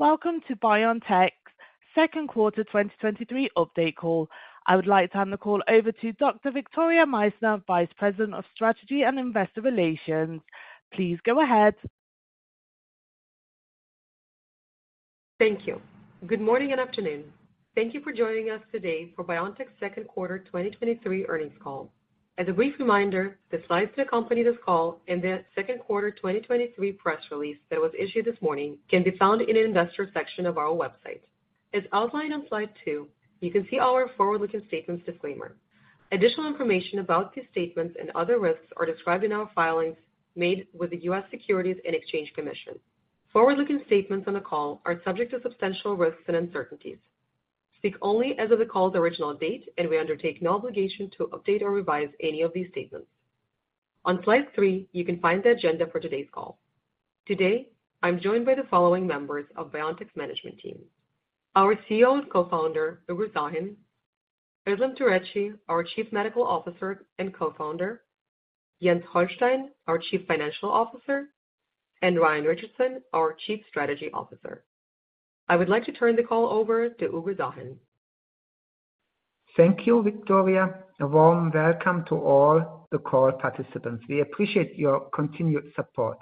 Welcome to BioNTech's second quarter 2023 update call. I would like to hand the call over to Dr. Victoria Meissner, Vice President of Strategy and Investor Relations. Please go ahead. Thank you. Good morning and afternoon. Thank you for joining us today for BioNTech's second quarter 2023 earnings call. As a brief reminder, the slides that accompany this call and the second quarter 2023 press release that was issued this morning can be found in the investor section of our website. As outlined on slide two, you can see our forward-looking statements disclaimer. Additional information about these statements and other risks are described in our filings made with the US Securities and Exchange Commission. Forward-looking statements on the call are subject to substantial risks and uncertainties. Speak only as of the call's original date, we undertake no obligation to update or revise any of these statements. On slide three, you can find the agenda for today's call. Today, I'm joined by the following members of BioNTech's management team: Our CEO and Co-founder, Uğur Şahin, Özlem Türeci, our Chief Medical Officer and Co-founder, Jens Holstein, our Chief Financial Officer, and Ryan Richardson, our Chief Strategy Officer. I would like to turn the call over to Uğur Şahin. Thank you, Victoria. A warm welcome to all the call participants. We appreciate your continued support.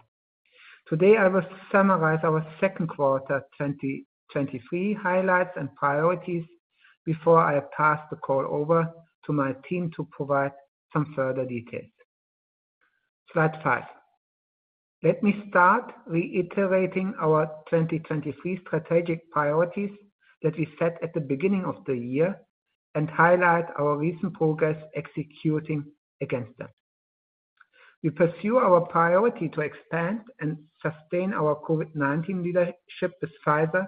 Today, I will summarize our second quarter 2023 highlights and priorities before I pass the call over to my team to provide some further details. Slide five. Let me start reiterating our 2023 strategic priorities that we set at the beginning of the year and highlight our recent progress executing against them. We pursue our priority to expand and sustain our COVID-19 leadership with Pfizer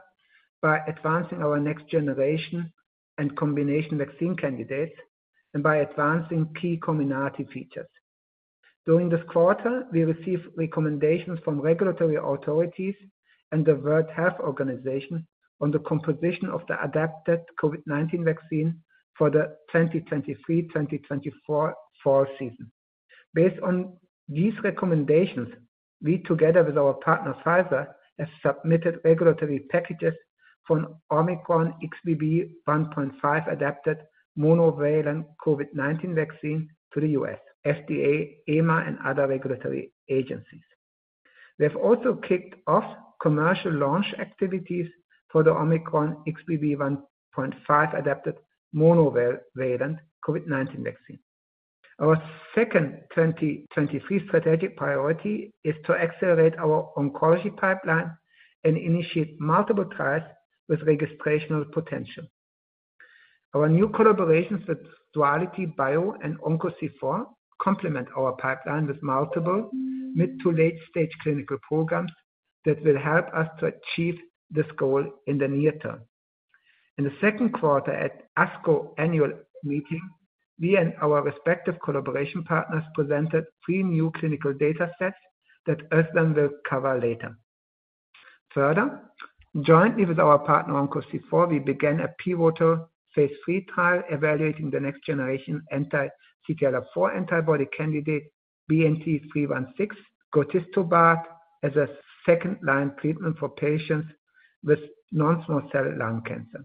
by advancing our next generation and combination vaccine candidates and by advancing key Comirnaty features. During this quarter, we received recommendations from regulatory authorities and the World Health Organization on the composition of the adapted COVID-19 vaccine for the 2023/2024 fall season. Based on these recommendations, we, together with our partner, Pfizer, have submitted regulatory packages for an Omicron XBB.1.5-adapted monovalent COVID-19 vaccine to the US, FDA, EMA, and other regulatory agencies. We have also kicked off commercial launch activities for the Omicron XBB.1.5-adapted monovalent COVID-19 vaccine. Our second 2023 strategic priority is to accelerate our oncology pipeline and initiate multiple trials with registrational potential. Our new collaborations with DualityBio and OncoC4 complement our pipeline with multiple mid- to late-stage clinical programs that will help us to achieve this goal in the near term. In the second quarter at ASCO annual meeting, we and our respective collaboration partners presented three new clinical data sets that Özlem will cover later. Jointly with our partner, OncoC4, we began a pivotal phase III trial evaluating the next generation anti-CTLA-4 antibody candidate, BNT316, gotistobart, as a second-line treatment for patients with non-small cell lung cancer.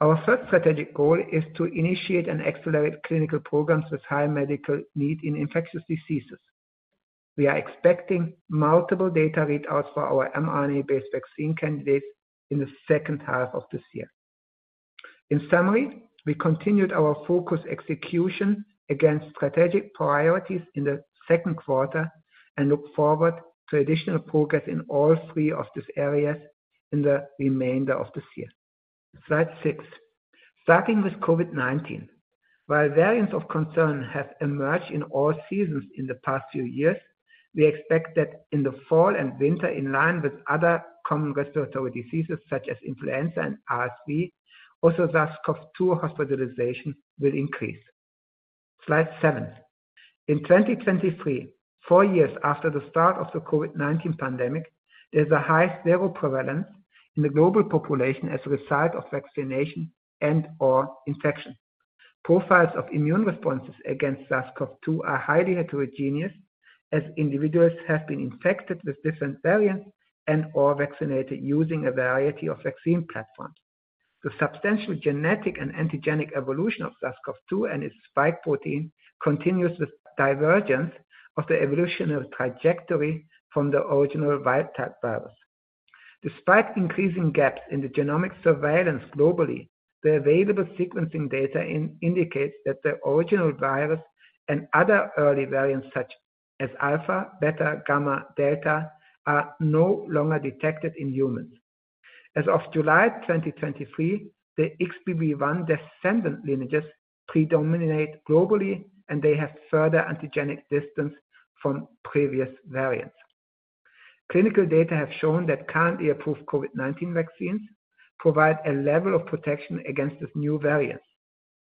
Our third strategic goal is to initiate and accelerate clinical programs with high medical need in infectious diseases. We are expecting multiple data readouts for our mRNA-based vaccine candidates in the second half of this year. In summary, we continued our focused execution against strategic priorities in the second quarter and look forward to additional progress in all three of these areas in the remainder of this year. Slide six. Starting with COVID-19, while variants of concern have emerged in all seasons in the past few years, we expect that in the fall and winter, in line with other common respiratory diseases such as influenza and RSV, also thus SARS-CoV-2 hospitalization will increase. Slide seven. In 2023, four years after the start of the COVID-19 pandemic, there's a high zero prevalence in the global population as a result of vaccination and/or infection. Profiles of immune responses against SARS-CoV-2 are highly heterogeneous, as individuals have been infected with different variants and/or vaccinated using a variety of vaccine platforms. The substantial genetic and antigenic evolution of SARS-CoV-2 and its spike protein continues with divergence of the evolutionary trajectory from the original wild type virus. Despite increasing gaps in the genomic surveillance globally, the available sequencing data indicates that the original virus and other early variants such as Alpha, Beta, Gamma, Delta, are no longer detected in humans. As of July 2023, the XBB.1 descendant lineages predominate globally, and they have further antigenic distance from previous variants. Clinical data have shown that currently approved COVID-19 vaccines provide a level of protection against this new variant.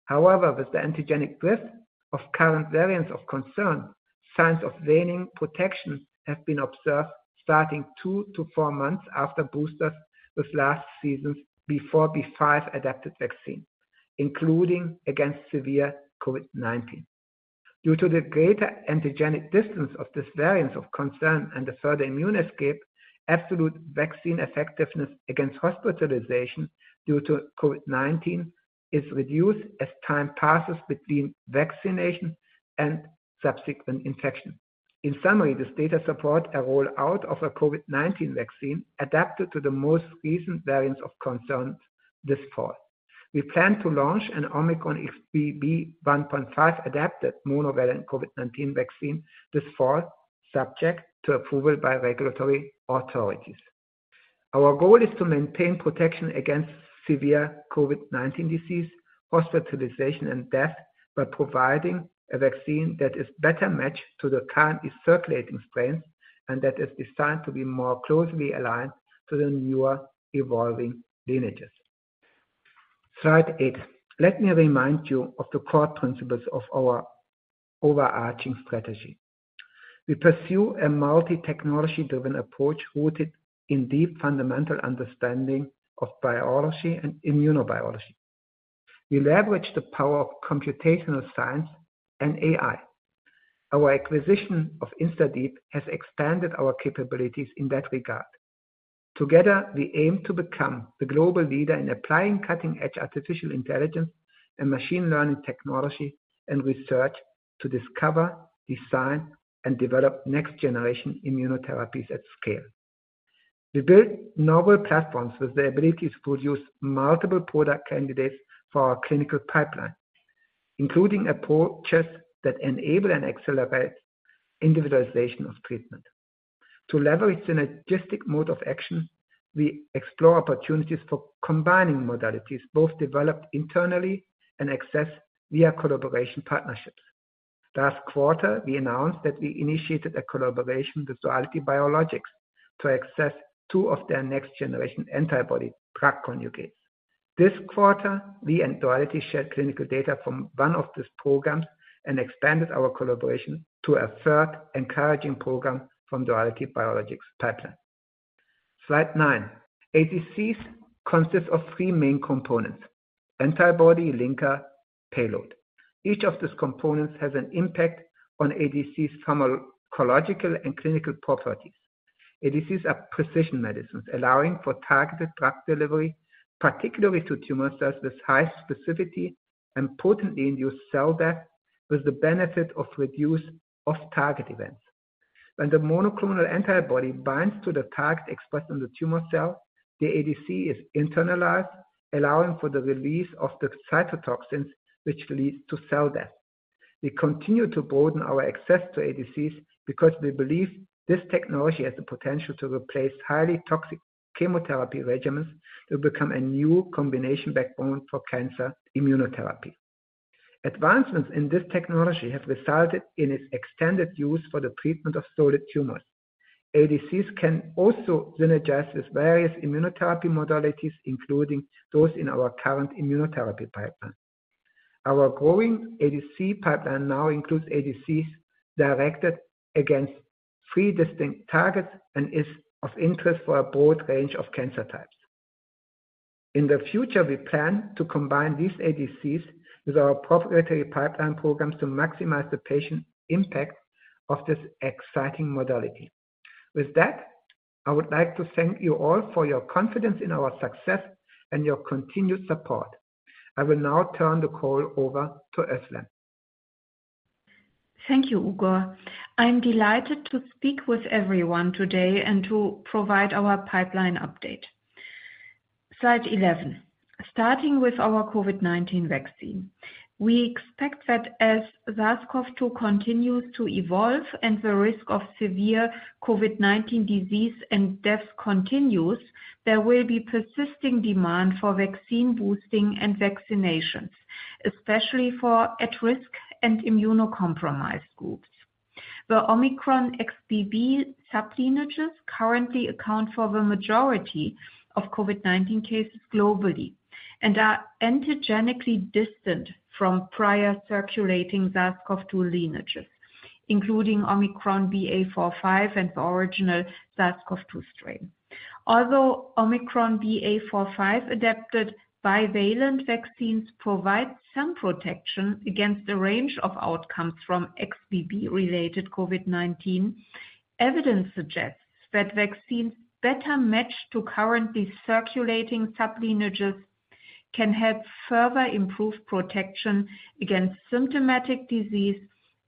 However, with the antigenic drift of current variants of concern, signs of waning protection have been observed starting two to four months after boosters with last season's B4, B5 adapted vaccine, including against severe COVID-19. Due to the greater antigenic distance of this variant of concern and the further immune escape, absolute vaccine effectiveness against hospitalization due to COVID-19 is reduced as time passes between vaccination and subsequent infection. In summary, this data support a roll-out of a COVID-19 vaccine adapted to the most recent variants of concern this fall. We plan to launch an Omicron XBB.1.5-adapted monovalent COVID-19 vaccine this fall, subject to approval by regulatory authorities. Our goal is to maintain protection against severe COVID-19 disease, hospitalization, and death, by providing a vaccine that is better matched to the current circulating strains, and that is designed to be more closely aligned to the newer evolving lineages. Slide eight. Let me remind you of the core principles of our overarching strategy. We pursue a multi-technology-driven approach rooted in deep, fundamental understanding of biology and immunobiology. We leverage the power of computational science and AI. Our acquisition of InstaDeep has expanded our capabilities in that regard. Together, we aim to become the global leader in applying cutting-edge artificial intelligence and machine learning technology and research to discover, design, and develop next-generation immunotherapies at scale. We build novel platforms with the ability to produce multiple product candidates for our clinical pipeline, including approaches that enable and accelerate individualization of treatment. To leverage synergistic mode of action, we explore opportunities for combining modalities, both developed internally and accessed via collaboration partnerships. Last quarter, we announced that we initiated a collaboration with Duality Biologics to access two of their next-generation antibody-drug conjugates. This quarter, we and Duality shared clinical data from one of these programs and expanded our collaboration to a third encouraging program from Duality Biologics pipeline. Slide nine. ADCs consist of three main components: antibody, linker, payload. Each of these components has an impact on ADC's pharmacological and clinical properties. ADCs are precision medicines, allowing for targeted drug delivery, particularly to tumor cells with high specificity and potently induced cell death, with the benefit of reduced off-target events. When the monoclonal antibody binds to the target expressed on the tumor cell, the ADC is internalized, allowing for the release of the cytotoxins, which leads to cell death. We continue to broaden our access to ADCs because we believe this technology has the potential to replace highly toxic chemotherapy regimens to become a new combination backbone for cancer immunotherapy. Advancements in this technology have resulted in its extended use for the treatment of solid tumors. ADCs can also synergize with various immunotherapy modalities, including those in our current immunotherapy pipeline. Our growing ADC pipeline now includes ADCs directed against three distinct targets and is of interest for a broad range of cancer types. In the future, we plan to combine these ADCs with our proprietary pipeline programs to maximize the patient impact of this exciting modality. With that, I would like to thank you all for your confidence in our success and your continued support. I will now turn the call over to Özlem. Thank you, Uğur. I'm delighted to speak with everyone today and to provide our pipeline update. Slide 11. Starting with our COVID-19 vaccine, we expect that as SARS-CoV-2 continues to evolve and the risk of severe COVID-19 disease and death continues, there will be persisting demand for vaccine boosting and vaccinations, especially for at-risk and immunocompromised groups. The Omicron XBB sublineages currently account for the majority of COVID-19 cases globally and are antigenically distant from prior circulating SARS-CoV-2 lineages, including Omicron BA.4/5 and the original SARS-CoV-2 strain. Although Omicron BA.4/5 adapted bivalent vaccines provide some protection against a range of outcomes from XBB-related COVID-19, evidence suggests that vaccines better matched to currently circulating sublineages can help further improve protection against symptomatic disease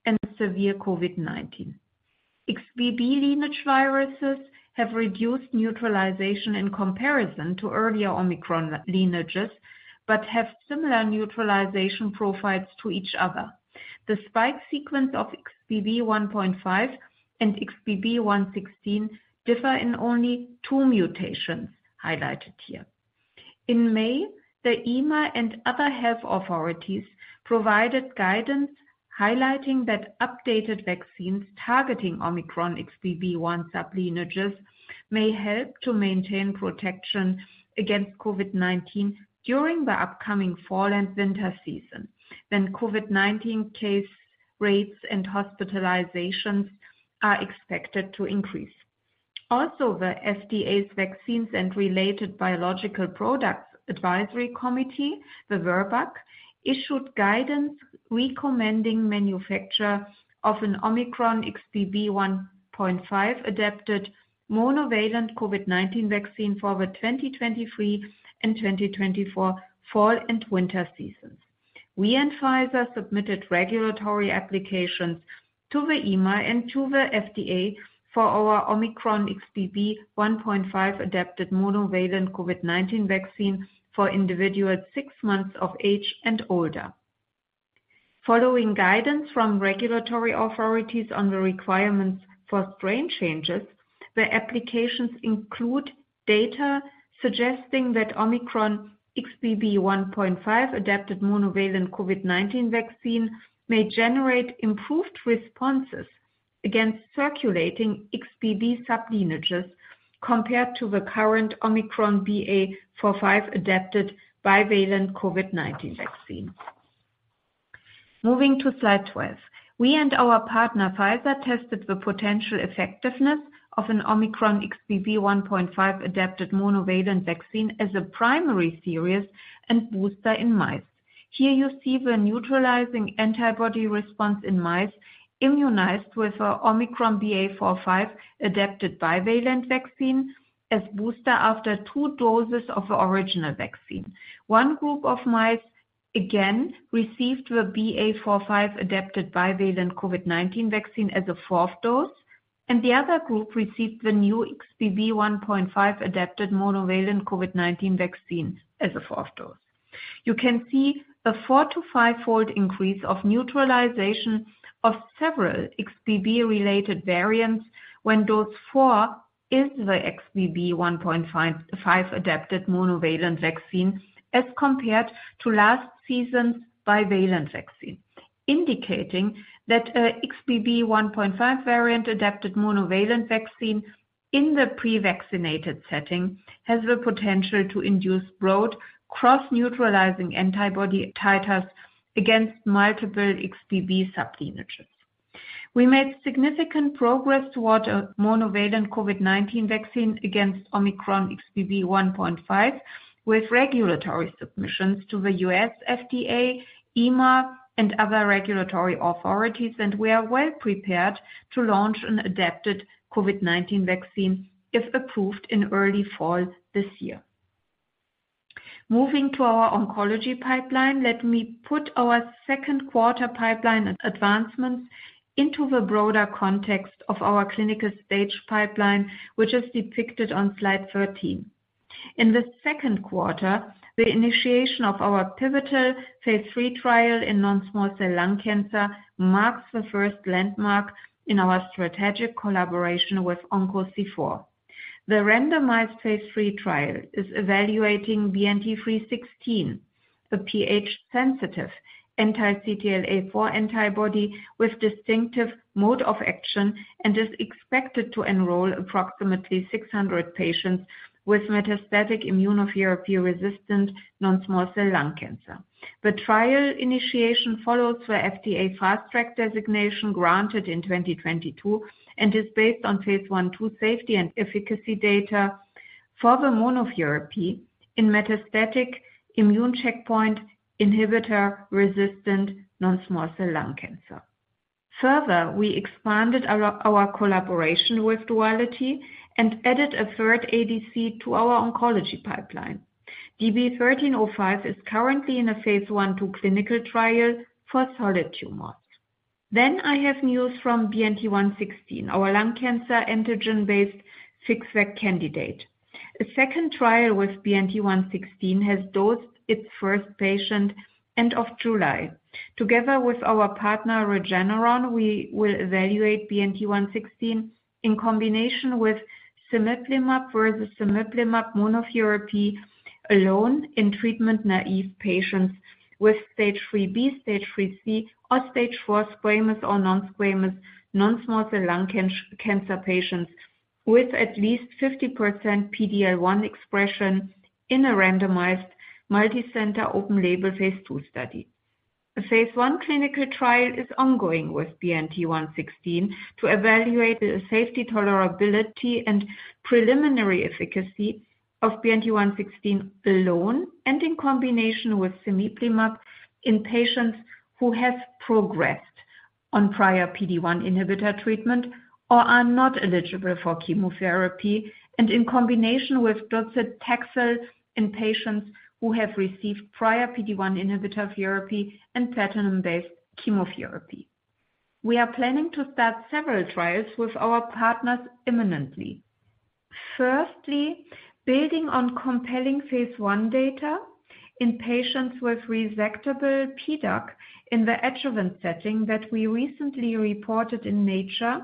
and severe COVID-19. XBB lineage viruses have reduced neutralization in comparison to earlier Omicron lineages but have similar neutralization profiles to each other. The spike sequence of XBB.1.5 and XBB.1.16 differ in only two mutations, highlighted here. In May, the EMA and other health authorities provided guidance, highlighting that updated vaccines targeting Omicron XBB.1 sub lineages may help to maintain protection against COVID-19 during the upcoming fall and winter season, when COVID-19 case rates and hospitalizations are expected to increase. The FDA's Vaccines and Related Biological Products Advisory Committee, the VRBPAC, issued guidance recommending manufacture of an Omicron XBB.1.5-adapted monovalent COVID-19 vaccine for the 2023 and 2024 fall and winter seasons. We and Pfizer submitted regulatory applications to the EMA and to the FDA for our Omicron XBB.1.5-adapted monovalent COVID-19 vaccine for individuals six months of age and older. Following guidance from regulatory authorities on the requirements for strain changes, the applications include data suggesting that Omicron XBB.1.5-adapted monovalent COVID-19 vaccine may generate improved responses against circulating XBB sub lineages, compared to the current Omicron BA.4-5-adapted bivalent COVID-19 vaccine. Moving to slide 12. We and our partner, Pfizer, tested the potential effectiveness of an Omicron XBB.1.5-adapted monovalent vaccine as a primary series and booster in mice. Here you see the neutralizing antibody response in mice immunized with a Omicron BA.4-5-adapted bivalent vaccine as booster after two doses of the original vaccine. One group of mice, again, received the BA.4-5-adapted bivalent COVID-19 vaccine as a fourth dose, and the other group received the new XBB.1.5-adapted monovalent COVID-19 vaccine as a fourth dose. You can see a four to five-fold increase of neutralization of several XBB-related variants when dose four is the XBB.1.5-adapted monovalent vaccine, as compared to last season's bivalent vaccine, indicating that XBB.1.5 variant-adapted monovalent vaccine in the pre-vaccinated setting, has the potential to induce broad, cross-neutralizing antibody titers against multiple XBB sublineages. We made significant progress toward a monovalent COVID-19 vaccine against Omicron XBB.1.5 with regulatory submissions to the US FDA, EMA, and other regulatory authorities, and we are well prepared to launch an adapted COVID-19 vaccine, if approved in early fall this year. Moving to our oncology pipeline, let me put our second quarter pipeline and advancements into the broader context of our clinical stage pipeline, which is depicted on slide 13. In the second quarter, the initiation of our pivotal phase III trial in non-small cell lung cancer, marks the first landmark in our strategic collaboration with OncoC4. The randomized phase III trial is evaluating BNT316, a pH-sensitive anti-CTLA-4 antibody with distinctive mode of action and is expected to enroll approximately 600 patients with metastatic immunotherapy-resistant non-small cell lung cancer. The trial initiation follows the FDA Fast Track designation granted in 2022, and is based on phase I, two safety and efficacy data for the monotherapy in metastatic immune checkpoint inhibitor-resistant non-small cell lung cancer. Further, we expanded our collaboration with Duality and added a third ADC to our oncology pipeline. DB-1305 is currently in a phase I, two clinical trial for solid tumors. I have news from BNT116, our lung cancer antigen-based FixVac candidate. A second trial with BNT116 has dosed its first patient end of July. Together with our partner, Regeneron, we will evaluate BNT116 in combination with cemiplimab versus cemiplimab monotherapy alone in treatment-naive patients with stage 3B, stage 3C, or stage 4 squamous or non-squamous, non-small cell lung cancer patients with at least 50% PD-L1 expression in a randomized, multicenter, open label, phase II study. A phase I clinical trial is ongoing with BNT116 to evaluate the safety, tolerability, and preliminary efficacy of BNT116 alone, and in combination with cemiplimab in patients who have progressed on prior PD-1 inhibitor treatment or are not eligible for chemotherapy, and in combination with docetaxel in patients who have received prior PD-1 inhibitor therapy and platinum-based chemotherapy. We are planning to start several trials with our partners imminently. Firstly, building on compelling phase I data in patients with resectable PDAC in the adjuvant setting that we recently reported in Nature,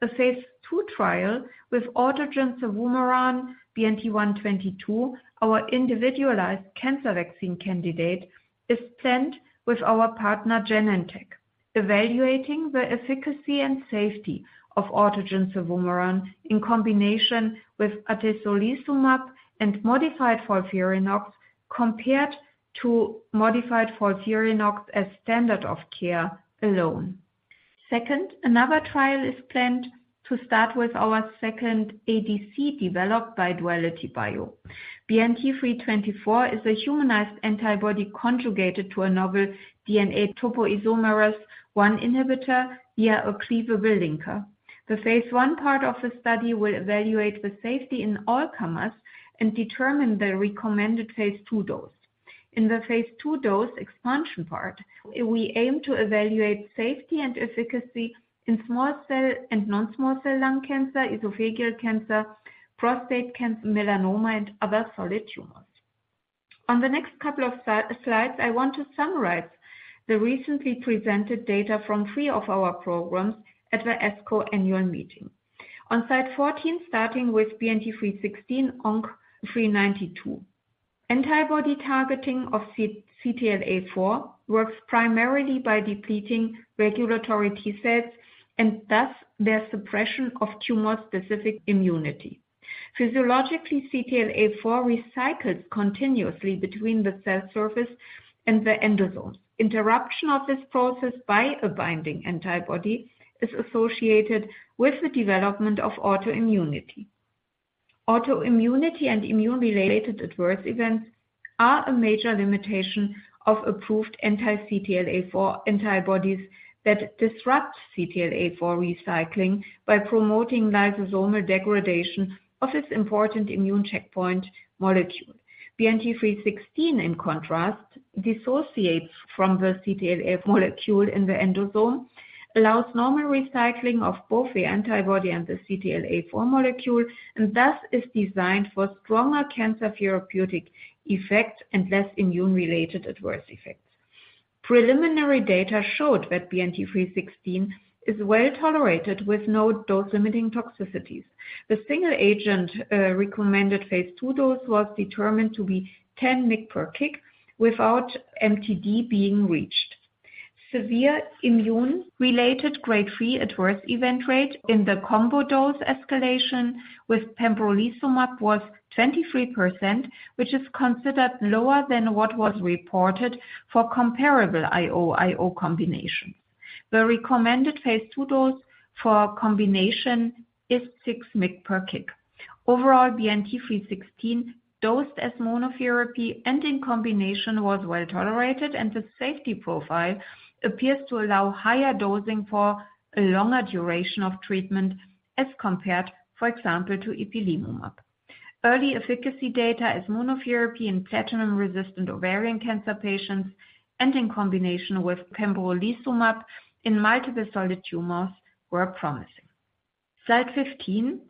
a phase II trial with autogene cevumeran, BNT122, our individualized cancer vaccine candidate, is planned with our partner, Genentech, evaluating the efficacy and safety of autogene cevumeran in combination with atezolizumab and modified FOLFIRINOX, compared to modified FOLFIRINOX as standard of care alone. Second, another trial is planned to start with our second ADC developed by DualityBio. BNT324 is a humanized antibody conjugated to a novel DNA topoisomerase I inhibitor via a cleavable linker. The phase I part of the study will evaluate the safety in all comers and determine the recommended phase II dose. In the phase II dose expansion part, we aim to evaluate safety and efficacy in small cell and non-small cell lung cancer, esophageal cancer, prostate cancer, melanoma, and other solid tumors. On the next couple of slides, I want to summarize the recently presented data from three of our programs at the ASCO annual meeting. On slide 14, starting with BNT316 ONC-392. Antibody targeting of CTLA-4 works primarily by depleting regulatory T-cells, thus their suppression of tumor-specific immunity. Physiologically, CTLA-4 recycles continuously between the cell surface and the endosome. Interruption of this process by a binding antibody is associated with the development of autoimmunity. Autoimmunity and immune-related adverse events are a major limitation of approved anti-CTLA-4 antibodies that disrupt CTLA-4 recycling by promoting lysosomal degradation of this important immune checkpoint molecule. BNT316, in contrast, dissociates from the CTLA-4 molecule in the endosome, allows normal recycling of both the antibody and the CTLA-4 molecule, and thus is designed for stronger cancer therapeutic effects and less immune-related adverse effects. Preliminary data showed that BNT316 is well tolerated with no dose-limiting toxicities. The single agent, recommended phase II dose was determined to be 10 mg per kg without MTD being reached. Severe immune-related grade 3 adverse event rate in the combo dose escalation with pembrolizumab was 23%, which is considered lower than what was reported for comparable IO/IO combinations. The recommended phase II dose for combination is 6 mg per kg. Overall, BNT316, dosed as monotherapy and in combination, was well tolerated, and the safety profile appears to allow higher dosing for a longer duration of treatment as compared, for example, to ipilimumab. Early efficacy data as monotherapy in platinum-resistant ovarian cancer patients and in combination with pembrolizumab in multiple solid tumors were promising. Slide 15,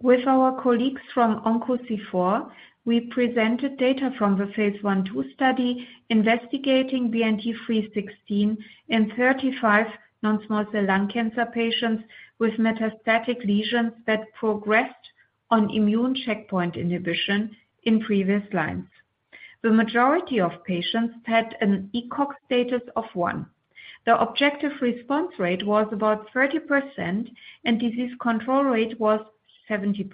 with our colleagues from OncoC4, we presented data from the phase I/2 study investigating BNT316 in 35 non-small cell lung cancer patients with metastatic lesions that progressed on immune checkpoint inhibition in previous lines. The majority of patients had an ECOG status of 1. The objective response rate was about 30%, and disease control rate was 70%.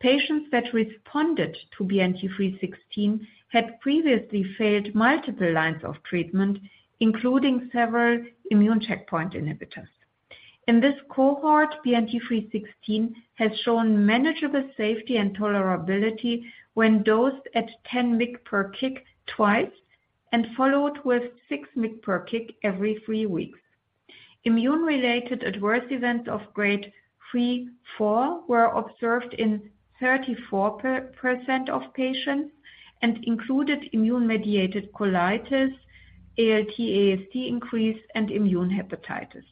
Patients that responded to BNT316 had previously failed multiple lines of treatment, including several immune checkpoint inhibitors. In this cohort, BNT316 has shown manageable safety and tolerability when dosed at 10 mg per kg twice and followed with 6 mg per kg every three weeks. Immune-related adverse events of grade 3/4 were observed in 34% of patients and included immune-mediated colitis, ALT/AST increase, and immune hepatitis.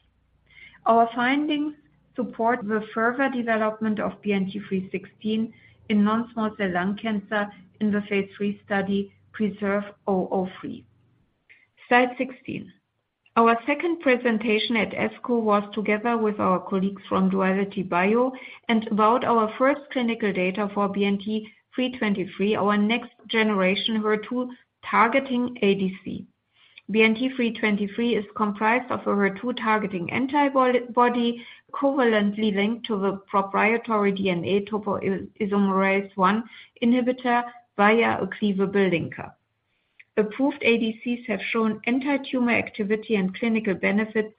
Our findings support the further development of BNT316 in non-small cell lung cancer in the phase III study, PRESERVE-003. Slide 16. Our second presentation at ASCO was together with our colleagues from DualityBio, and about our first clinical data for BNT323, our next generation HER2-targeting ADC. BNT323 is comprised of a HER2-targeting antibody covalently linked to the proprietary DNA topoisomerase I inhibitor via a cleavable linker. Approved ADCs have shown anti-tumor activity and clinical benefits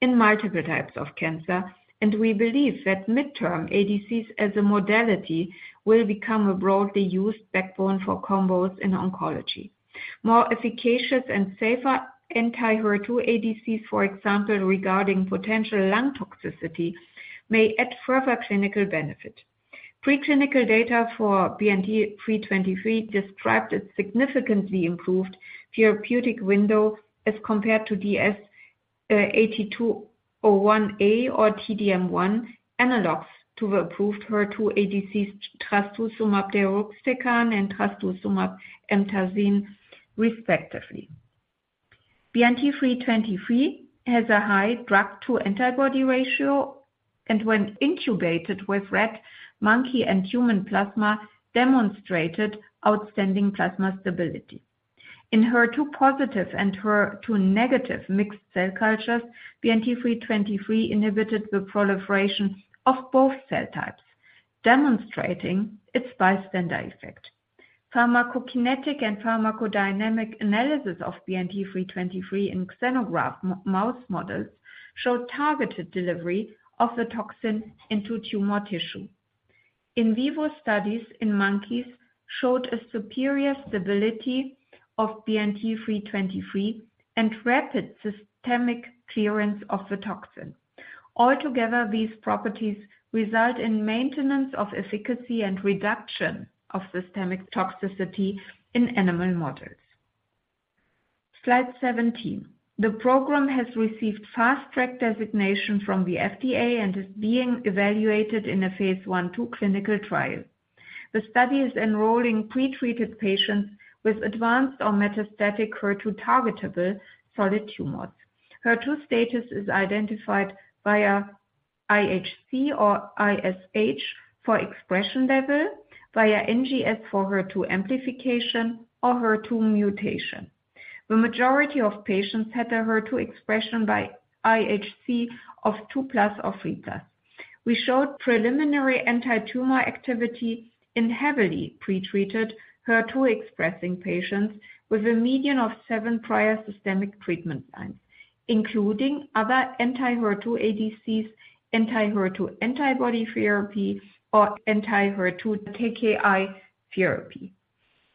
in multiple types of cancer, and we believe that midterm ADCs as a modality will become a broadly used backbone for combos in oncology. More efficacious and safer anti-HER2 ADCs, for example, regarding potential lung toxicity, may add further clinical benefit. Preclinical data for BNT 323 described a significantly improved therapeutic window as compared to DS-8201a or T-DM1 analogs to the approved HER2 ADCs, trastuzumab deruxtecan and trastuzumab emtansine, respectively. BNT 323 has a high drug to antibody ratio, and when incubated with rat, monkey, and human plasma, demonstrated outstanding plasma stability. In HER2 positive and HER2 negative mixed cell cultures, BNT 323 inhibited the proliferation of both cell types, demonstrating its bystander effect. Pharmacokinetic and pharmacodynamic analysis of BNT 323 in xenograft mouse models showed targeted delivery of the toxin into tumor tissue. In vivo studies in monkeys showed a superior stability of BNT 323 and rapid systemic clearance of the toxin. Altogether, these properties result in maintenance of efficacy and reduction of systemic toxicity in animal models. Slide 17. The program has received Fast Track designation from the FDA and is being evaluated in a phase I, two clinical trial. The study is enrolling pre-treated patients with advanced or metastatic HER2-targetable solid tumors. HER2 status is identified via IHC or ISH for expression level, via NGS for HER2 amplification or HER2 mutation. The majority of patients had a HER2 expression by IHC of two plus or three plus. We showed preliminary anti-tumor activity in heavily pre-treated HER2-expressing patients with a median of seven prior systemic treatment plans, including other anti-HER2 ADCs, anti-HER2 antibody therapy, or anti-HER2 TKI therapy.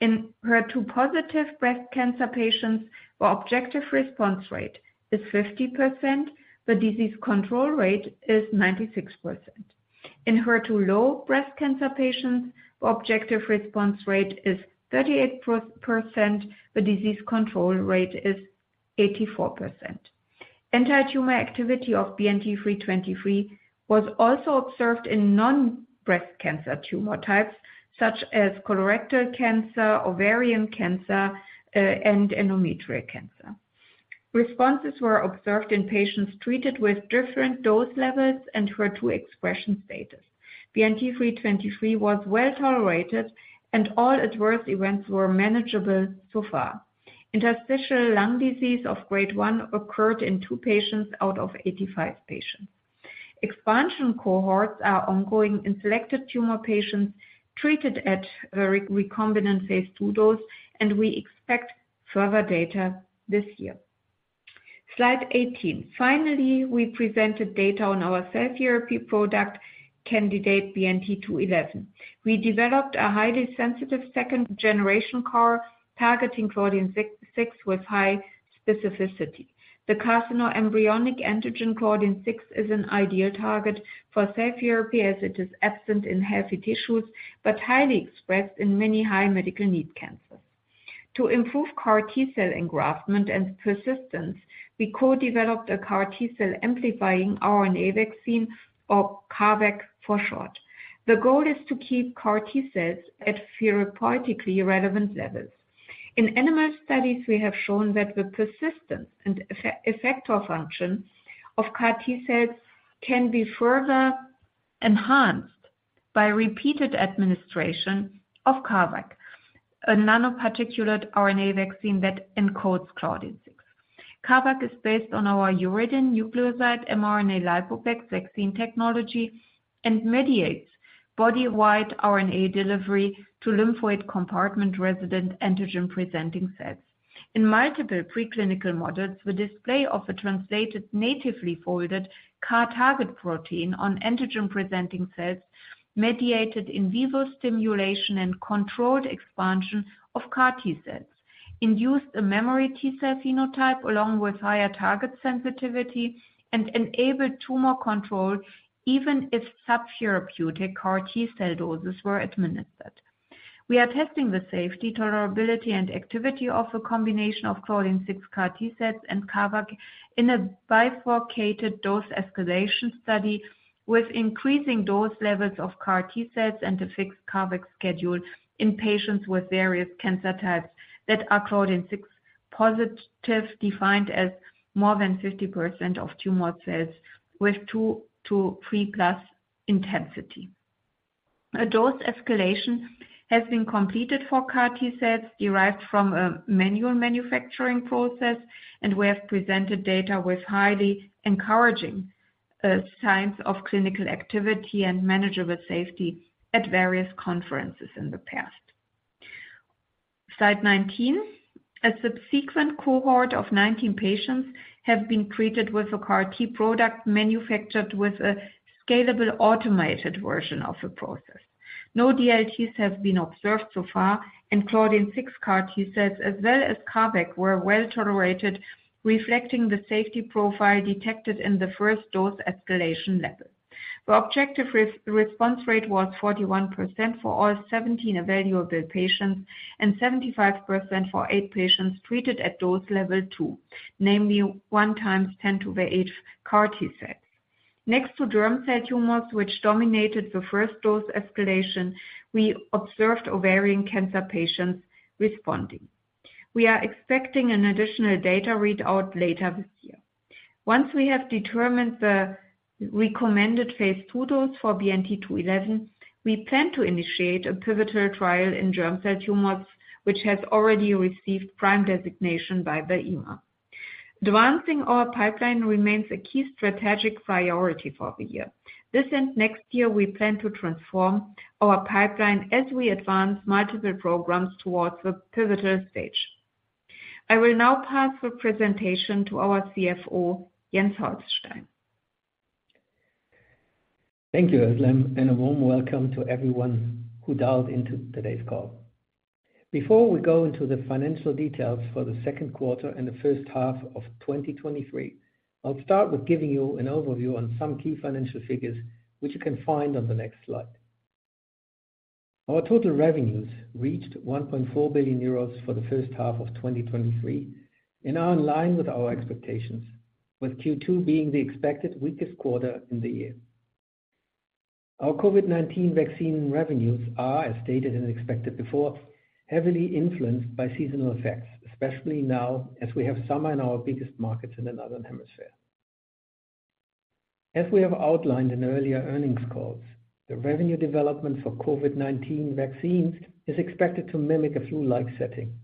In HER2-positive breast cancer patients, the objective response rate is 50%, the disease control rate is 96%. In HER2 low breast cancer patients, the objective response rate is 38%, the disease control rate is 84%. Anti-tumor activity of BNT323 was also observed in non-breast cancer tumor types, such as colorectal cancer, ovarian cancer, and endometrial cancer. Responses were observed in patients treated with different dose levels and HER2 expression status. BNT323 was well tolerated, and all adverse events were manageable so far. Interstitial lung disease of grade 1 occurred in two patients out of 85 patients. Expansion cohorts are ongoing in selected tumor patients treated at recombinant phase II dose, and we expect further data this year. Slide 18. Finally, we presented data on our cell therapy product, candidate BNT211. We developed a highly sensitive second-generation CAR targeting Claudin-6, with high specificity. The carcinoembryonic antigen Claudin-6 is an ideal target for cell therapy as it is absent in healthy tissues, but highly expressed in many high medical need cancers. To improve CAR T cell engraftment and persistence, we co-developed a CAR T cell amplifying RNA vaccine, or CARVac for short. The goal is to keep CAR T cells at therapeutically relevant levels. In animal studies, we have shown that the persistence and effector function of CAR T cells can be further enhanced by repeated administration of CARVac, a nanoparticulate RNA vaccine that encodes Claudin-6. CARVac is based on our Uridine nucleoside mRNA lipoplex vaccine technology and mediates body-wide RNA delivery to lymphoid compartment resident antigen-presenting cells. In multiple preclinical models, the display of a translated, natively folded CAR target protein on antigen-presenting cells mediated in vivo stimulation and controlled expansion of CAR T cells, induced a memory T cell phenotype along with higher target sensitivity, and enabled tumor control, even if subtherapeutic CAR T cell doses were administered. We are testing the safety, tolerability, and activity of a combination of Claudin-6 CAR T cells and CARVac in a bifurcated dose escalation study with increasing dose levels of CAR T cells and a fixed CARVac schedule in patients with various cancer types that are Claudin-6 positive, defined as more than 50% of tumor cells with two to three plus intensity. A dose escalation has been completed for CAR T cells derived from a manual manufacturing process, we have presented data with highly encouraging signs of clinical activity and manageable safety at various conferences in the past. Slide 19. A subsequent cohort of 19 patients have been treated with a CAR T product manufactured with a scalable automated version of the process. No DLTs have been observed so far, and Claudin-6 CAR T cells, as well as CARVac, were well tolerated, reflecting the safety profile detected in the first dose escalation level. The objective response rate was 41% for all 17 evaluable patients and 75% for eight patients treated at dose level 2, namely 1 x 10^8 CAR T cells. Next to germ cell tumors, which dominated the first dose escalation, we observed ovarian cancer patients responding. We are expecting an additional data readout later this year. Once we have determined the recommended phase II dose for BNT211, we plan to initiate a pivotal trial in germ cell tumors, which has already received PRIME designation by the EMA. Advancing our pipeline remains a key strategic priority for the year. Next year, we plan to transform our pipeline as we advance multiple programs towards the pivotal stage. I will now pass the presentation to our CFO, Jens Holstein. Thank you, Özlem. A warm welcome to everyone who dialed into today's call. Before we go into the financial details for the second quarter and the first half of 2023, I'll start with giving you an overview on some key financial figures, which you can find on the next slide. Our total revenues reached 1.4 billion euros for the first half of 2023, and are in line with our expectations, with second quarter being the expected weakest quarter in the year. Our COVID-19 vaccine revenues are, as stated and expected before, heavily influenced by seasonal effects, especially now, as we have summer in our biggest markets in the Northern Hemisphere. As we have outlined in earlier earnings calls, the revenue development for COVID-19 vaccines is expected to mimic a flu-like setting.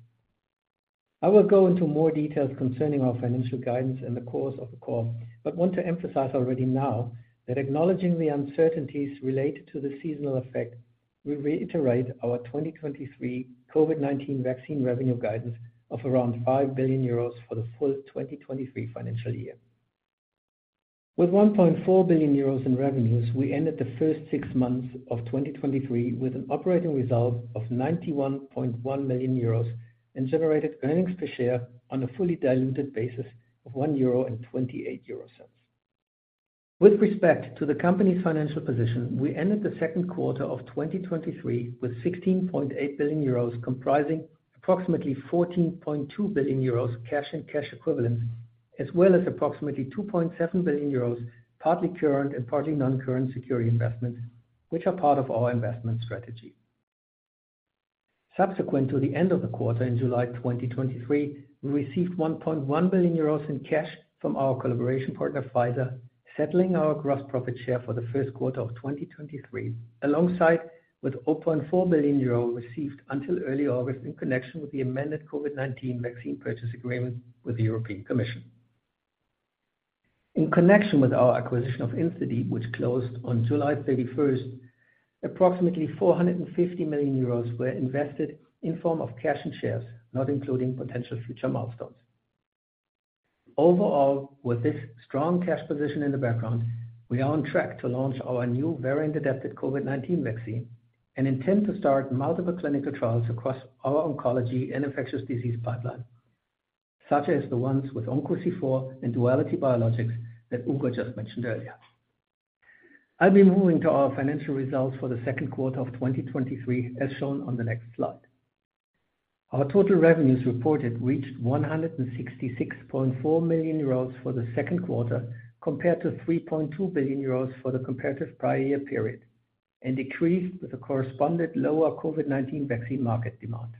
I will go into more details concerning our financial guidance in the course of the call, but want to emphasize already now that acknowledging the uncertainties related to the seasonal effect, we reiterate our 2023 COVID-19 vaccine revenue guidance of around 5 billion euros for the full 2023 financial year. With 1.4 billion euros in revenues, we ended the first six months of 2023 with an operating result of 91.1 million euros and generated earnings per share on a fully diluted basis of 1.28 euro. With respect to the company's financial position, we ended the second quarter of 2023 with 16.8 billion euros, comprising approximately 14.2 billion euros cash and cash equivalents, as well as approximately 2.7 billion euros, partly current and partly non-current security investments, which are part of our investment strategy. Subsequent to the end of the quarter in July 2023, we received 1.1 billion euros in cash from our collaboration partner, Pfizer, settling our gross profit share for the first quarter of 2023, alongside with 0.4 billion euro received until early August in connection with the amended COVID-19 vaccine purchase agreement with the European Commission. In connection with our acquisition of InstaDeep, which closed on 31 July 2023, approximately 450 million euros were invested in form of cash and shares, not including potential future milestones. Overall, with this strong cash position in the background, we are on track to launch our new variant-adapted COVID-19 vaccine and intend to start multiple clinical trials across our oncology and infectious disease pipeline, such as the ones with OncoC4 and Duality Biologics that Uğur just mentioned earlier. I'll be moving to our financial results for the second quarter of 2023, as shown on the next slide. Our total revenues reported reached 166.4 million euros for the second quarter, compared to 3.2 billion euros for the comparative prior year period, and decreased with the correspondent lower COVID-19 vaccine market demand.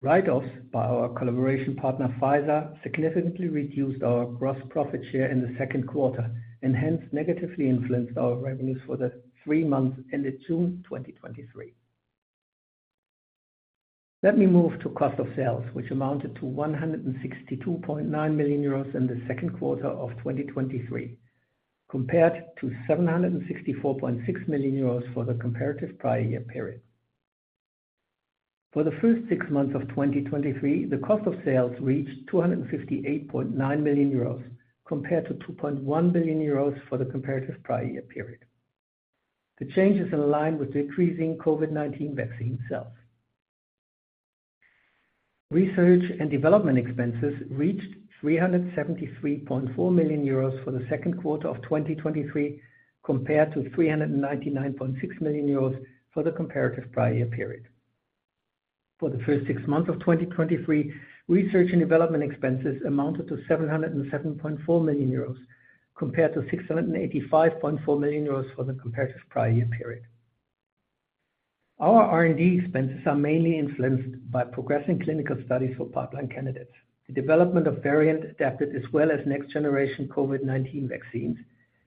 Write-offs by our collaboration partner, Pfizer, significantly reduced our gross profit share in the second quarter and hence negatively influenced our revenues for the three months ended June 2023. Let me move to cost of sales, which amounted to 162.9 million euros in the second quarter of 2023, compared to 764.6 million euros for the comparative prior year period. For the first six months of 2023, the cost of sales reached 258.9 million euros compared to 2.1 billion euros for the comparative prior year period. The change is in line with decreasing COVID-19 vaccine sales. Research and development expenses reached 373.4 million euros for the second quarter of 2023, compared to 399.6 million euros for the comparative prior period. For the first six months of 2023, research and development expenses amounted to 707.4 million euros, compared to 685.4 million euros for the comparative prior year period. Our R&D expenses are mainly influenced by progressing clinical studies for pipeline candidates, the development of variant-adapted, as well as next generation COVID-19 vaccines,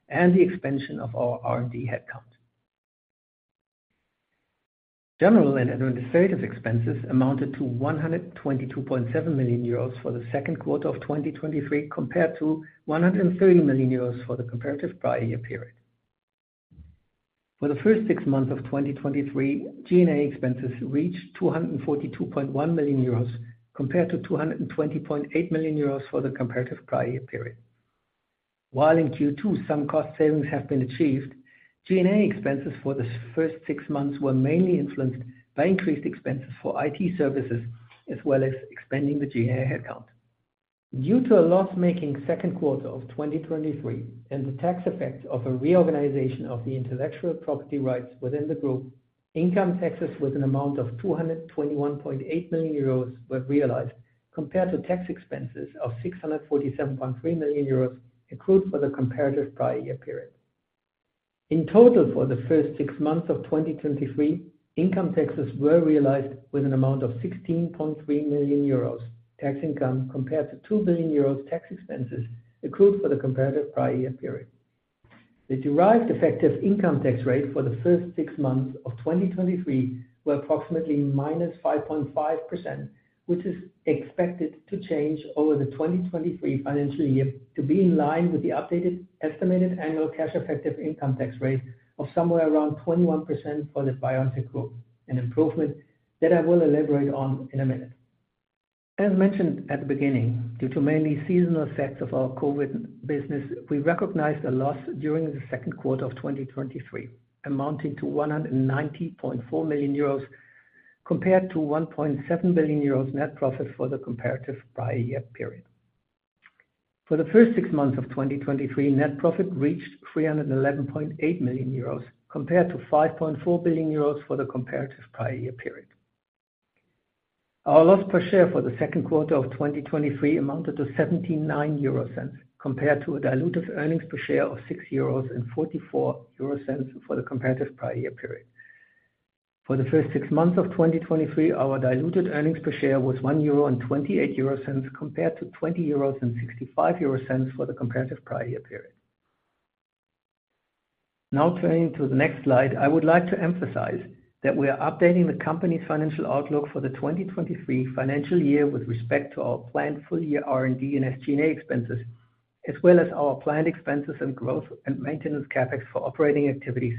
and the expansion of our R&D headcount. General and administrative expenses amounted to 122.7 million euros for the second quarter of 2023, compared to 130 million euros for the comparative prior year period. For the first six months of 2023, G&A expenses reached 242.1 million euros, compared to 220.8 million euros for the comparative prior year period. While in second quarter, some cost savings have been achieved, G&A expenses for the first six months were mainly influenced by increased expenses for IT services, as well as expanding the G&A headcount. Due to a loss-making second quarter of 2023 and the tax effect of a reorganization of the intellectual property rights within the group, income taxes with an amount of 221.8 million euros were realized, compared to tax expenses of 647.3 million euros accrued for the comparative prior year period. In total, for the first six months of 2023, income taxes were realized with an amount of 16.3 million euros tax income, compared to 2 billion euros tax expenses accrued for the comparative prior year period. The derived effective income tax rate for the first six months of 2023 were approximately -5.5%, which is expected to change over the 2023 financial year to be in line with the updated estimated annual cash effective income tax rate of somewhere around 21% for the BioNTech group, an improvement that I will elaborate on in a minute. As mentioned at the beginning, due to mainly seasonal effects of our COVID business, we recognized a loss during the second quarter of 2023, amounting to 190.4 million euros, compared to 1.7 billion euros net profit for the comparative prior year period. For the first six months of 2023, net profit reached 311.8 million euros, compared to 5.4 billion euros for the comparative prior year period. Our loss per share for the second quarter of 2023 amounted to 0.79, compared to a dilutive earnings per share of 6.44 euros for the comparative prior year period. For the first six months of 2023, our diluted earnings per share was 1.28 euro, compared to 20.65 euros for the comparative prior year period. Turning to the next slide, I would like to emphasize that we are updating the company's financial outlook for the 2023 financial year with respect to our planned full year R&D and SG&A expenses, as well as our planned expenses and growth and maintenance CapEx for operating activities,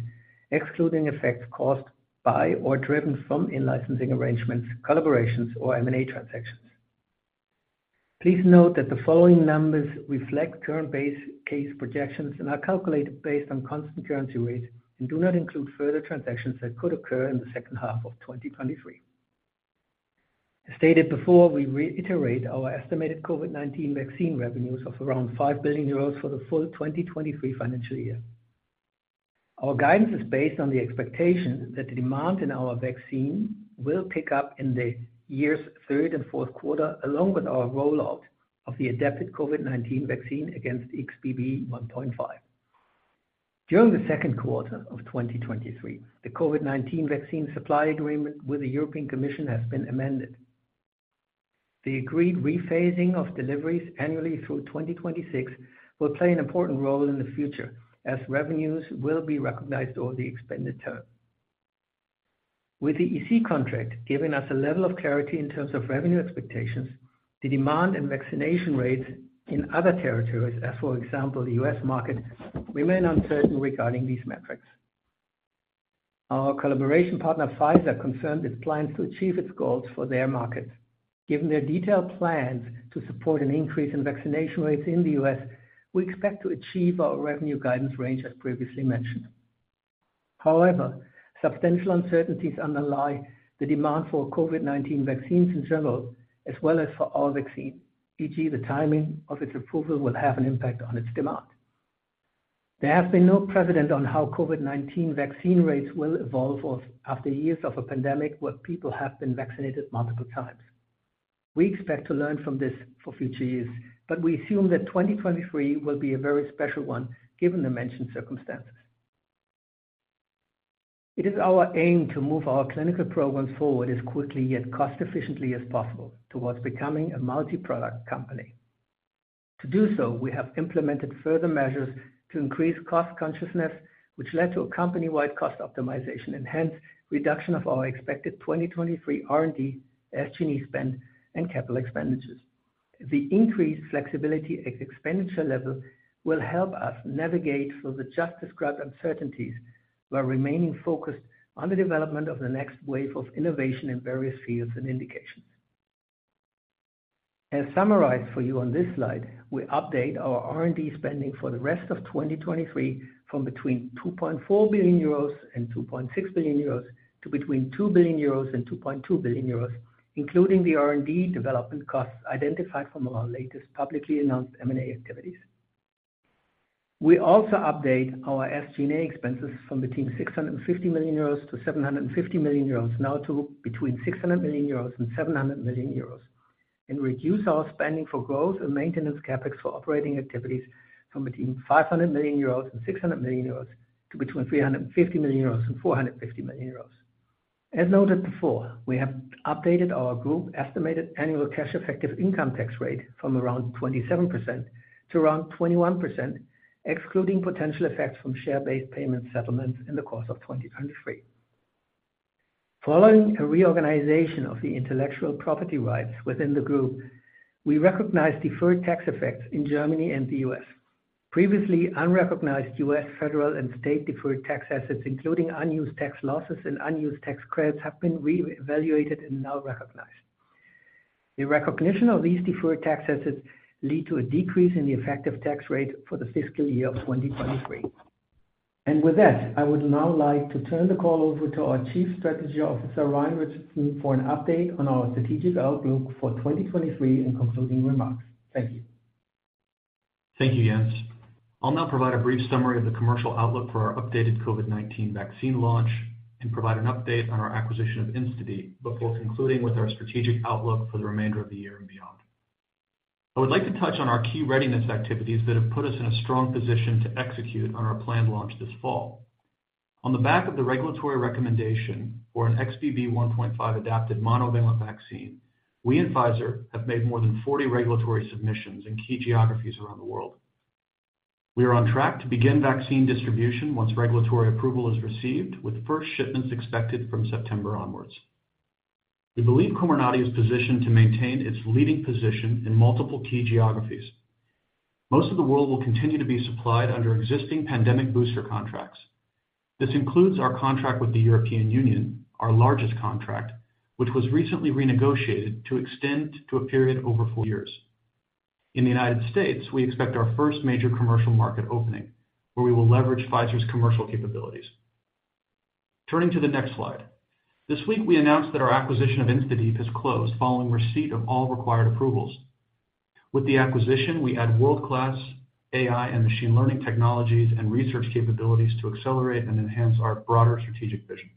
excluding effects caused by or driven from in-licensing arrangements, collaborations, or M&A transactions. Please note that the following numbers reflect current base case projections and are calculated based on constant currency rates, and do not include further transactions that could occur in the second half of 2023. As stated before, we reiterate our estimated COVID-19 vaccine revenues of around 5 billion euros for the full 2023 financial year. Our guidance is based on the expectation that the demand in our vaccine will pick up in the year's third and fourth quarter, along with our rollout of the adapted COVID-19 vaccine against XBB.1.5. During the second quarter of 2023, the COVID-19 vaccine supply agreement with the European Commission has been amended. The agreed rephasing of deliveries annually through 2026 will play an important role in the future, as revenues will be recognized over the expanded term. With the EC contract giving us a level of clarity in terms of revenue expectations, the demand and vaccination rates in other territories, as, for example, the US market, remain uncertain regarding these metrics. Our collaboration partner, Pfizer, confirmed its plans to achieve its goals for their market. Given their detailed plans to support an increase in vaccination rates in the US, we expect to achieve our revenue guidance range, as previously mentioned. However, substantial uncertainties underlie the demand for COVID-19 vaccines in general, as well as for our vaccine, e.g., the timing of its approval will have an impact on its demand. There has been no precedent on how COVID-19 vaccine rates will evolve after years of a pandemic where people have been vaccinated multiple times. We expect to learn from this for future years, but we assume that 2023 will be a very special one, given the mentioned circumstances. It is our aim to move our clinical programs forward as quickly, yet cost efficiently as possible, towards becoming a multi-product company. To do so, we have implemented further measures to increase cost consciousness, which led to a company-wide cost optimization and hence reduction of our expected 2023 R&D, SG&A spend and capital expenditures. The increased flexibility at expenditure level will help us navigate through the just described uncertainties, while remaining focused on the development of the next wave of innovation in various fields and indications. As summarized for you on this slide, we update our R&D spending for the rest of 2023 from between 2.4 billion euros and 2.6 billion euros to between 2 billion euros and 2.2 billion euros, including the R&D development costs identified from our latest publicly announced M&A activities. We also update our SG&A expenses from between 650 to 750 million, now to between 600 million euros and 700 million euros, and reduce our spending for growth and maintenance CapEx for operating activities from between 500 million euros and 600 million euros to between 350 million euros and 450 million euros. As noted before, we have updated our group estimated annual cash effective income tax rate from around 27% to around 21%, excluding potential effects from share-based payment settlements in the course of 2023. Following a reorganization of the intellectual property rights within the group, we recognize deferred tax effects in Germany and the US Previously unrecognized US federal and state deferred tax assets, including unused tax losses and unused tax credits, have been reevaluated and now recognized. The recognition of these deferred tax assets lead to a decrease in the effective tax rate for the fiscal year of 2023. With that, I would now like to turn the call over to our Chief Strategy Officer, Ryan Richardson, for an update on our strategic outlook for 2023 and concluding remarks. Thank you. Thank you, Jens. I'll now provide a brief summary of the commercial outlook for our updated COVID-19 vaccine launch and provide an update on our acquisition of InstaDeep before concluding with our strategic outlook for the remainder of the year and beyond. I would like to touch on our key readiness activities that have put us in a strong position to execute on our planned launch this fall. On the back of the regulatory recommendation for an XBB.1.5 adapted monovalent vaccine, we and Pfizer have made more than 40 regulatory submissions in key geographies around the world. We are on track to begin vaccine distribution once regulatory approval is received, with first shipments expected from September onwards. We believe Comirnaty is positioned to maintain its leading position in multiple key geographies. Most of the world will continue to be supplied under existing pandemic booster contracts. This includes our contract with the European Union, our largest contract, which was recently renegotiated to extend to a period over four years. In the United States, we expect our first major commercial market opening, where we will leverage Pfizer's commercial capabilities. Turning to the next slide. This week, we announced that our acquisition of InstaDeep has closed following receipt of all required approvals. With the acquisition, we add world-class AI and machine learning technologies and research capabilities to accelerate and enhance our broader strategic vision.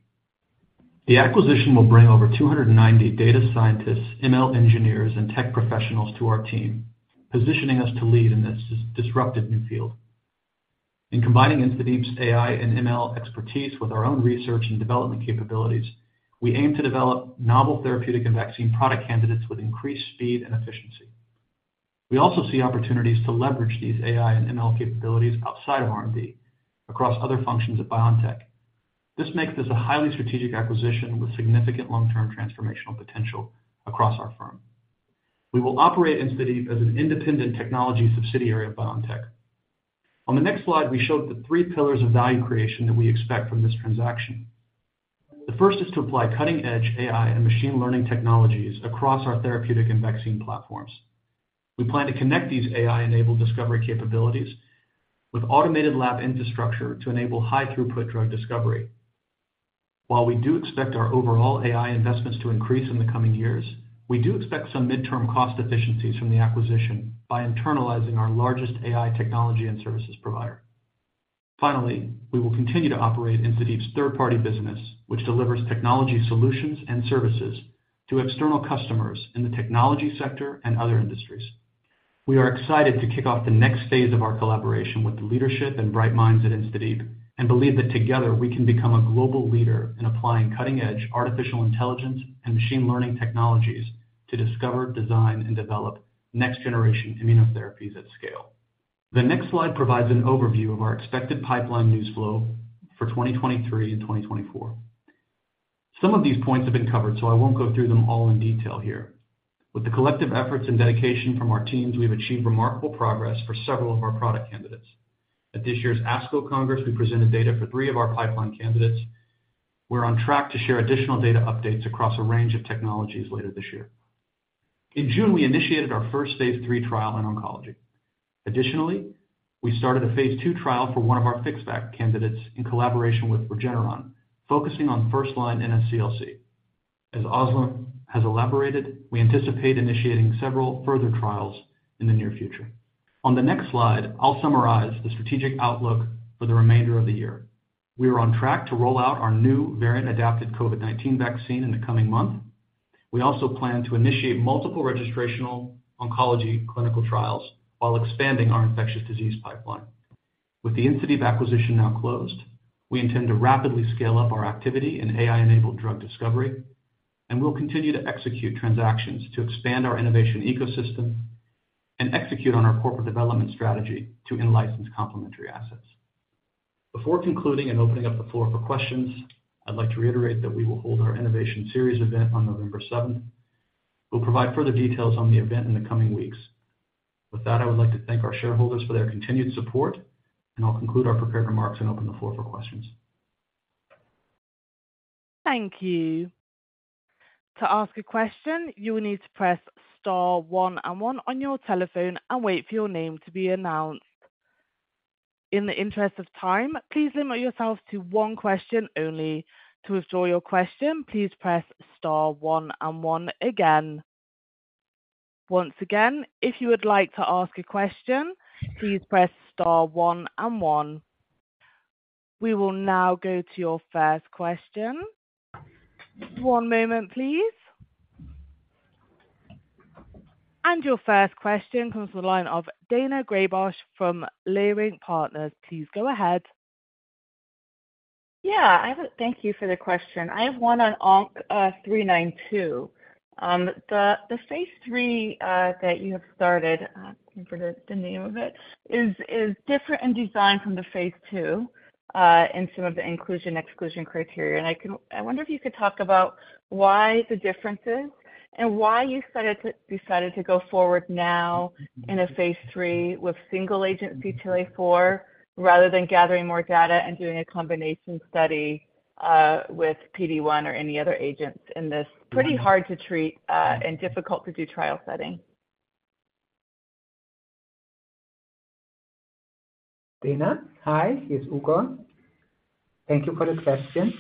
The acquisition will bring over 290 data scientists, ML engineers, and tech professionals to our team, positioning us to lead in this disruptive new field. In combining InstaDeep's AI and ML expertise with our own research and development capabilities, we aim to develop novel therapeutic and vaccine product candidates with increased speed and efficiency. We also see opportunities to leverage these AI and ML capabilities outside of R&D across other functions at BioNTech. This makes this a highly strategic acquisition with significant long-term transformational potential across our firm. We will operate InstaDeep as an independent technology subsidiary of BioNTech. On the next slide, we showed the three pillars of value creation that we expect from this transaction. The first is to apply cutting-edge AI and machine learning technologies across our therapeutic and vaccine platforms. We plan to connect these AI-enabled discovery capabilities with automated lab infrastructure to enable high-throughput drug discovery. While we do expect our overall AI investments to increase in the coming years, we do expect some midterm cost efficiencies from the acquisition by internalizing our largest AI technology and services provider. Finally, we will continue to operate InstaDeep's third-party business, which delivers technology solutions and services to external customers in the technology sector and other industries. We are excited to kick off the next phase of our collaboration with the leadership and bright minds at InstaDeep, and believe that together, we can become a global leader in applying cutting-edge artificial intelligence and machine learning technologies to discover, design, and develop next-generation immunotherapies at scale. The next slide provides an overview of our expected pipeline news flow for 2023 and 2024. Some of these points have been covered, so I won't go through them all in detail here. With the collective efforts and dedication from our teams, we've achieved remarkable progress for several of our product candidates. At this year's ASCO Congress, we presented data for three of our pipeline candidates. We're on track to share additional data updates across a range of technologies later this year. In June, we initiated our first phase III trial in oncology. Additionally, we started a phase II trial for one of our FixVac candidates in collaboration with Regeneron, focusing on first-line NSCLC. As Özlem has elaborated, we anticipate initiating several further trials in the near future. On the next slide, I'll summarize the strategic outlook for the remainder of the year. We are on track to roll out our new variant-adapted COVID-19 vaccine in the coming month. We also plan to initiate multiple registrational oncology clinical trials while expanding our infectious disease pipeline. With the InstaDeep acquisition now closed, we intend to rapidly scale up our activity in AI-enabled drug discovery, and we'll continue to execute transactions to expand our innovation ecosystem and execute on our corporate development strategy to in-license complementary assets. Before concluding and opening up the floor for questions, I'd like to reiterate that we will hold our Innovation Series event on 7 November 2023. We'll provide further details on the event in the coming weeks. With that, I would like to thank our shareholders for their continued support, and I'll conclude our prepared remarks and open the floor for questions. Thank you. To ask a question, you will need to press star one and one on your telephone and wait for your name to be announced. In the interest of time, please limit yourselves to one question only. To withdraw your question, please press star one and one again. Once again, if you would like to ask a question, please press star one and one. We will now go to your first question. one moment, please. Your first question comes from the line of Daina Graybosch from Leerink Partners. Please go ahead. Yeah, thank you for the question. I have one on on ONC-392. The, the phase III that you have started, I forget the name of it, is, is different in design from the phase II in some of the inclusion/exclusion criteria. I wonder if you could talk about why the differences and why you decided to, decided to go forward now in a phase III with single agent CTLA-4, rather than gathering more data and doing a combination study with PD-1 or any other agents in this pretty hard to treat and difficult to do trial setting? Dana, hi, it's Uğur. Thank you for the question.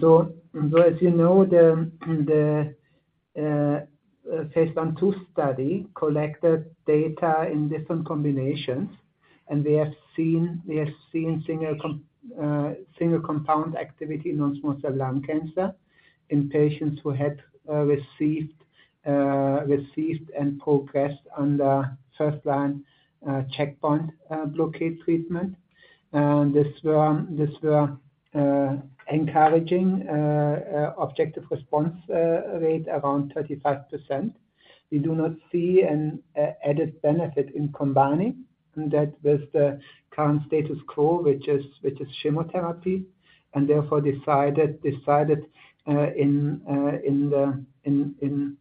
So, as you know, the, the, phase I, II study collected data in different combinations. We have seen, we have seen single compound activity in non-small cell lung cancer in patients who had received and progressed on the first-line checkpoint blockade treatment. This were, this were encouraging objective response rate around 35%. We do not see an added benefit in combining that with the current status quo, which is chemotherapy, and therefore decided, in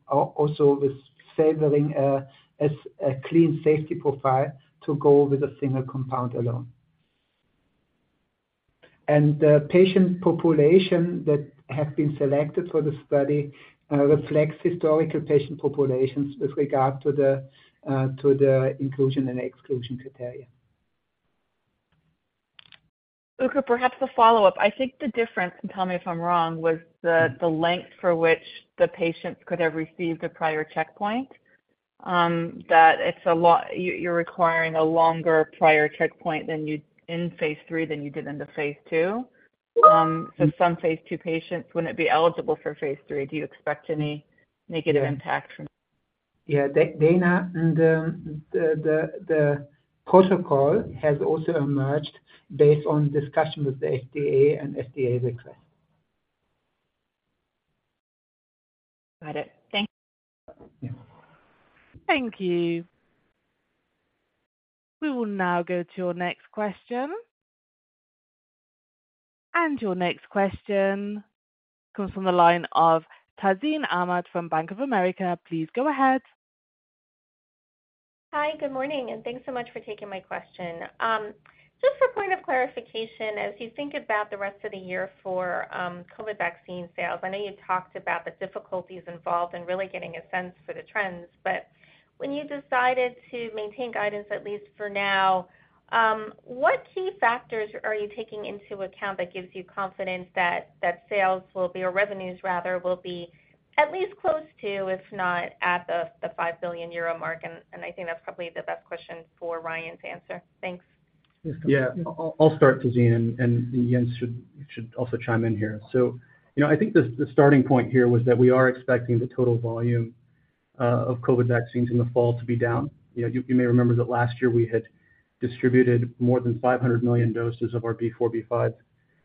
also with favoring, as a clean safety profile to go with a single compound alone. The patient population that have been selected for the study reflects historical patient populations with regard to the inclusion and exclusion criteria. Uka, perhaps a follow-up. I think the difference, and tell me if I'm wrong, was the length for which the patients could have received a prior checkpoint. That it's a lot. You're requiring a longer prior checkpoint than you in phase three, than you did in the phase two. Some phase two patients wouldn't be eligible for phase three. Do you expect any negative impact from? Yeah, Daina, and, the, the, the protocol has also emerged based on discussion with the FDA and FDA's request. Got it. Thank you. Thank you. We will now go to your next question. Your next question comes from the line of Tazeen Ahmad from Bank of America. Please go ahead. Hi, good morning, and thanks so much for taking my question. Just for point of clarification, as you think about the rest of the year for, COVID vaccine sales, I know you talked about the difficulties involved in really getting a sense for the trends. When you decided to maintain guidance, at least for now, what key factors are you taking into account that gives you confidence that, that sales will be, or revenues rather, will be at least close to, if not at the, the 5 billion euro mark? I think that's probably the best question for Ryan to answer. Thanks. Yeah. I'll start, Tazeen, and Jens should also chime in here. You know, I think the starting point here was that we are expecting the total volume of COVID vaccines in the fall to be down. You know, you may remember that last year we had distributed more than 500 million doses of our BA.4/BA.5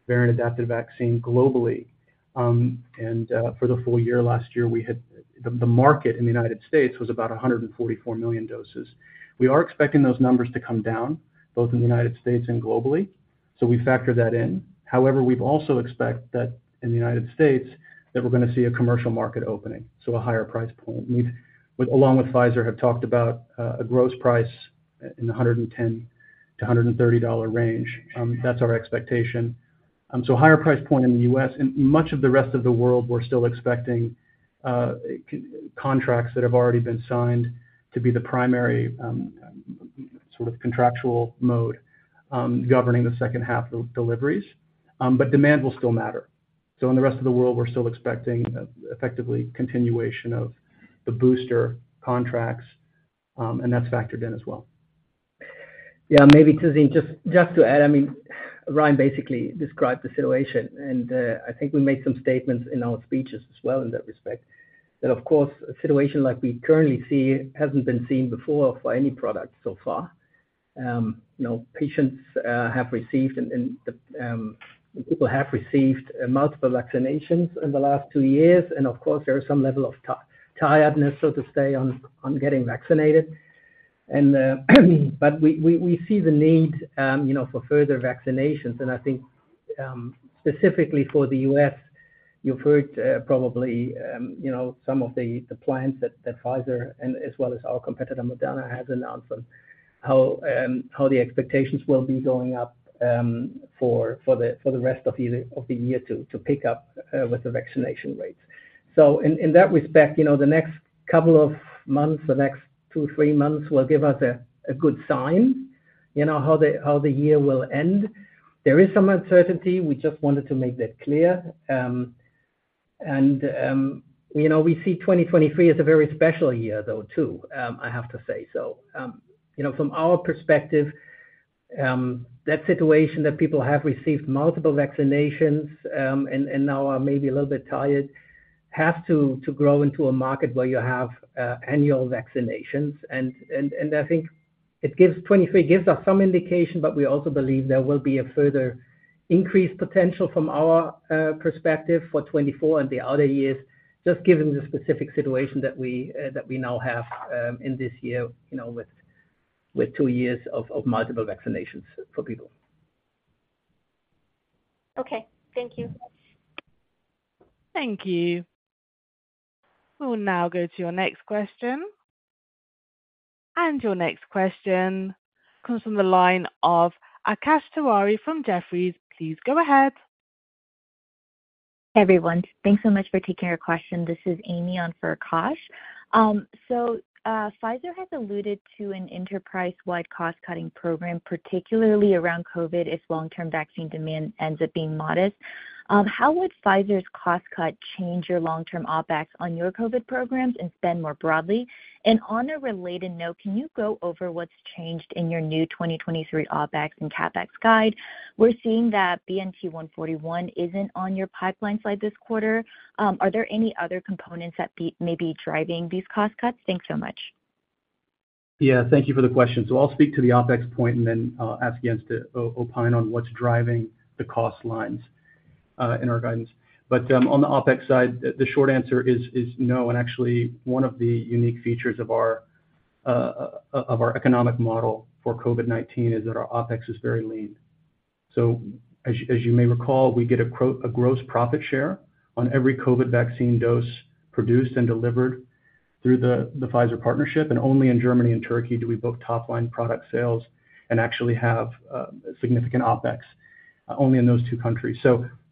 variant-adapted vaccine globally. For the full year last year, we had the market in the United States was about 144 million doses. We are expecting those numbers to come down, both in the United States and globally, we factor that in. However, we've also expect that in the United States, that we're going to see a commercial market opening, a higher price point. We've, along with Pfizer, have talked about a gross price in the $110 to $130 range. That's our expectation. Higher price point in the US, and much of the rest of the world, we're still expecting contracts that have already been signed to be the primary sort of contractual mode governing the second half of deliveries. Demand will still matter. In the rest of the world, we're still expecting effectively, continuation of the booster contracts, and that's factored in as well. Yeah, maybe, Tazeen, just, just to add, I mean, Ryan basically described the situation, and I think we made some statements in our speeches as well in that respect. That, of course, a situation like we currently see hasn't been seen before by any product so far. You know, patients, have received and, and, people have received multiple vaccinations in the last two years, and of course, there is some level of tiredness, so to say on getting vaccinated. We, we, we see the need, you know, for further vaccinations. I think, specifically for the US, you've heard, probably, you know, some of the plans that Pfizer and as well as our competitor, Moderna, has announced on how the expectations will be going up for the rest of the year to pick up with the vaccination rates. In that respect, you know, the next couple of months, the next two, three months will give us a good sign, you know, how the year will end. There is some uncertainty. We just wanted to make that clear. You know, we see 2023 as a very special year though, too, I have to say so. You know, from our perspective, that situation that people have received multiple vaccinations, and now are maybe a little bit tired, has to grow into a market where you have annual vaccinations. I think 2023 gives us some indication, but we also believe there will be a further increased potential from our perspective for 2024 and the other years, just given the specific situation that we, that we now have in this year, you know, with two years of multiple vaccinations for people. Okay. Thank you. Thank you. We will now go to your next question. Your next question comes from the line of Akash Tewari from Jefferies. Please go ahead. Hey, everyone. Thanks so much for taking our question. This is Amy on for Akash. Pfizer has alluded to an enterprise-wide cost-cutting program, particularly around COVID, if long-term vaccine demand ends up being modest. How would Pfizer's cost cut change your long-term OpEx on your COVID programs and spend more broadly? On a related note, can you go over what's changed in your new 2023 OpEx and CapEx guide? We're seeing that BNT141 isn't on your pipeline slide this quarter. Are there any other components that may be driving these cost cuts? Thanks so much. Yeah, thank you for the question. I'll speak to the OpEx point and then ask Jens to opine on what's driving the cost lines in our guidance. On the OpEx side, the short answer is, is no. Actually, one of the unique features of our of our economic model for COVID-19 is that our OpEx is very lean. As you, as you may recall, we get a gross profit share on every COVID vaccine dose produced and delivered through the Pfizer partnership, and only in Germany and Turkey do we book top line product sales and actually have significant OpEx, only in those two countries.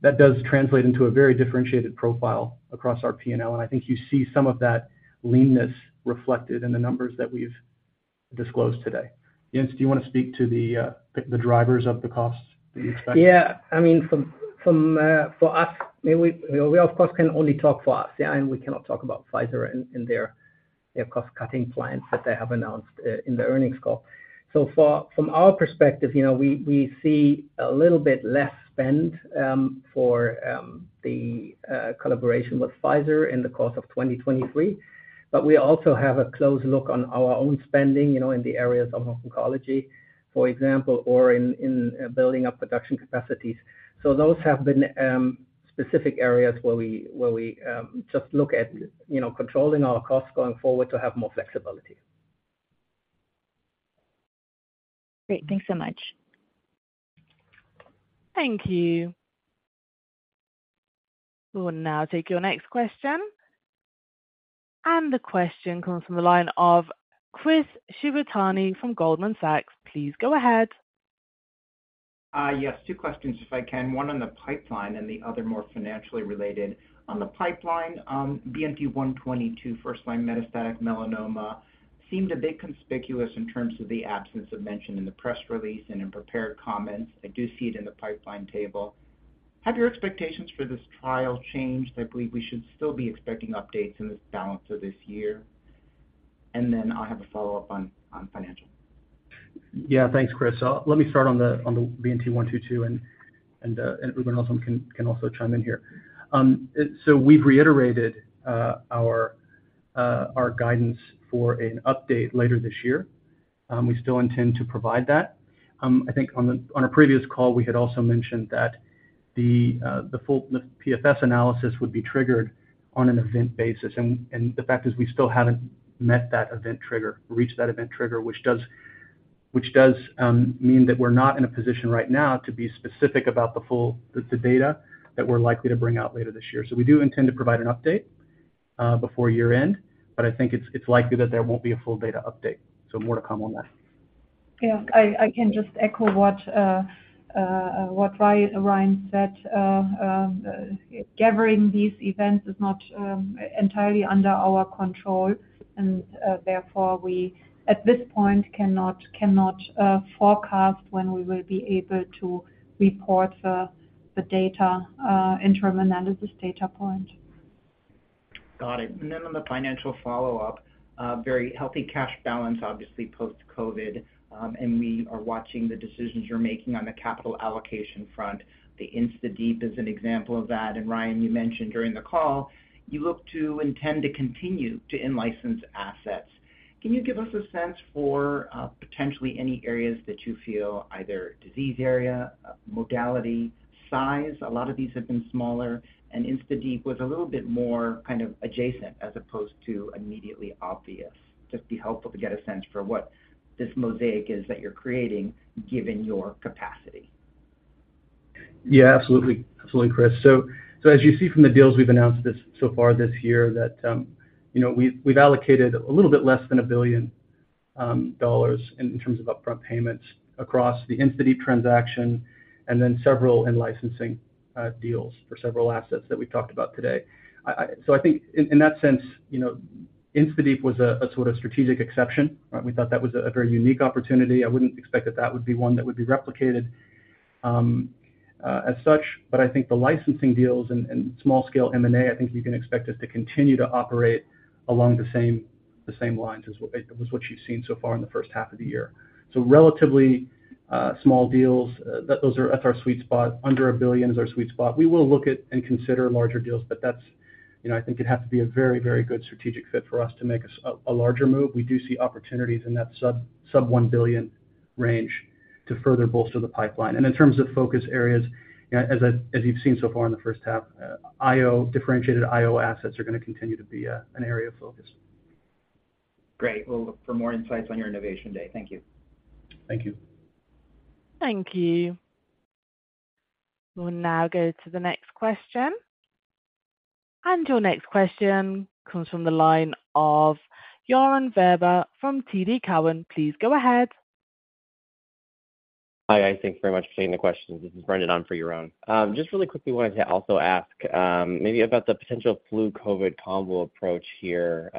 That does translate into a very differentiated profile across our P&L, and I think you see some of that leanness reflected in the numbers that we've disclosed today. Jens, do you want to speak to the drivers of the costs that you expect? Yeah. I mean, from, from, for us, I mean, we, we, of course, can only talk for us, yeah, and we cannot talk about Pfizer and, and their, their cost-cutting plans that they have announced, in the earnings call. From our perspective, you know, we, we see a little bit less spend, for, the collaboration with Pfizer in the course of 2023. But we also have a close look on our own spending, you know, in the areas of oncology, for example, or in, in, building up production capacities. Those have been, specific areas where we, where we, just look at, you know, controlling our costs going forward to have more flexibility. Great. Thanks so much. Thank you. We'll now take your next question. The question comes from the line of Chris Shibutani from Goldman Sachs. Please go ahead. Yes, two questions, if I can. One on the pipeline and the other more financially related. On the pipeline, BNT122, first-line metastatic melanoma, seemed a bit conspicuous in terms of the absence of mention in the press release and in prepared comments. I do see it in the pipeline table. Have your expectations for this trial changed? I believe we should still be expecting updates in this balance of this year. Then I'll have a follow-up on, on financial. Yeah. Thanks, Chris. Let me start on the, on the BNT122 and, and Ruben also can, can also chime in here. We've reiterated our guidance for an update later this year. We still intend to provide that. I think on the- on a previous call, we had also mentioned that the full PFS analysis would be triggered on an event basis. And the fact is, we still haven't met that event trigger, reached that event trigger, which does, which does mean that we're not in a position right now to be specific about the full, the, the data that we're likely to bring out later this year. We do intend to provide an update before year-end, but I think it's, it's likely that there won't be a full data update. So more to come on that. Yeah. I can just echo what Ryan said. Gathering these events is not entirely under our control, and, therefore, we, at this point, cannot, cannot forecast when we will be able to report the data, interim analysis data point. Got it. Then on the financial follow-up, a very healthy cash balance, obviously post-COVID, and we are watching the decisions you're making on the capital allocation front. The InstaDeep is an example of that. Ryan, you mentioned during the call, you look to intend to continue to in-license assets. Can you give us a sense for potentially any areas that you feel either disease area, modality, size? A lot of these have been smaller, and InstaDeep was a little bit more kind of adjacent as opposed to immediately obvious. Just be helpful to get a sense for what this mosaic is that you're creating, given your capacity. Yeah, absolutely. Absolutely, Chris. As you see from the deals we've announced this, so far this year, that you know, we've, we've allocated a little bit less than $1 billion in terms of upfront payments across the InstaDeep transaction and then several in-licensing deals for several assets that we talked about today. I think in that sense, you know, InstaDeep was a sort of strategic exception. We thought that was a very unique opportunity. I wouldn't expect that that would be one that would be replicated as such. I think the licensing deals and small-scale M&A, I think you can expect us to continue to operate along the same, the same lines as what, as what you've seen so far in the first half of the year. Relatively small deals. That's our sweet spot. Under $1 billion is our sweet spot. We will look at and consider larger deals. That's, you know, I think it has to be a very, very good strategic fit for us to make a larger move. We do see opportunities in that sub, sub $1 billion range to further bolster the pipeline. In terms of focus areas, as you've seen so far in the first half, IO, differentiated IO assets are going to continue to be an area of focus. Great. We'll look for more insights on your Innovation Day. Thank you. Thank you. Thank you. We'll now go to the next question. Your next question comes from the line of Yaron Werber from TD Cowen. Please go ahead. Hi, guys. Thanks very much for taking the questions. This is Brendan on for Yaron. Just really quickly wanted to also ask, maybe about the potential flu COVID combo approach here.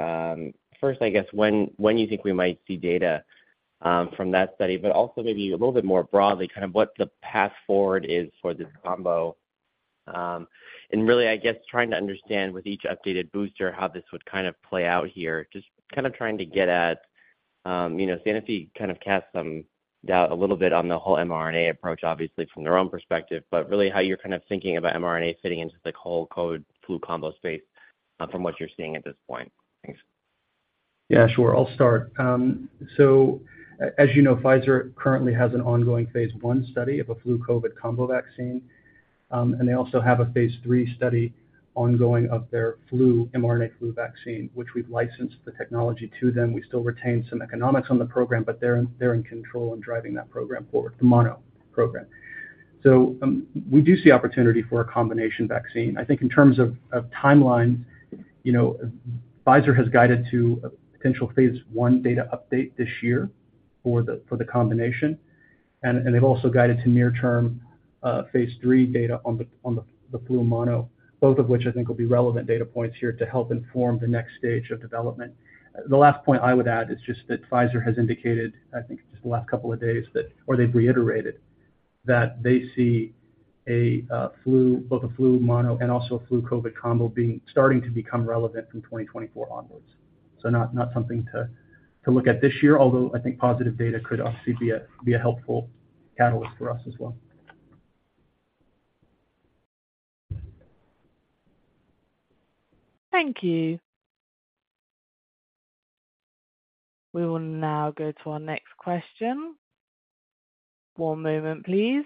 First, I guess, when you think we might see data from that study, but also maybe a little bit more broadly, kind of what the path forward is for this combo. Really, I guess, trying to understand with each updated booster, how this would kind of play out here. Just kind of trying to get at, you know, Sanofi kind of cast some doubt a little bit on the whole mRNA approach, obviously from their own perspective, but really how you're kind of thinking about mRNA fitting into the whole COVID flu combo space, from what you're seeing at this point. Thanks. Yeah, sure. I'll start. As you know, Pfizer currently has an ongoing phase I study of a flu COVID combo vaccine. They also have a phase III study ongoing of their flu, mRNA flu vaccine, which we've licensed the technology to them. We still retain some economics on the program, but they're in, they're in control and driving that program forward, the mono program. We do see opportunity for a combination vaccine. I think in terms of, of timelines, you know, Pfizer has guided to a potential phase I data update this year for the, for the combination, and they've also guided to near term phase III data on the, on the flu mono, both of which I think will be relevant data points here to help inform the next stage of development. The last point I would add is just that Pfizer has indicated, I think, just the last couple of days, that, or they've reiterated, that they see a flu, both a flu mono and also a flu COVID combo being starting to become relevant from 2024 onwards. Not, not something to, to look at this year, although I think positive data could obviously be a helpful catalyst for us as well. Thank you. We will now go to our next question. One moment, please.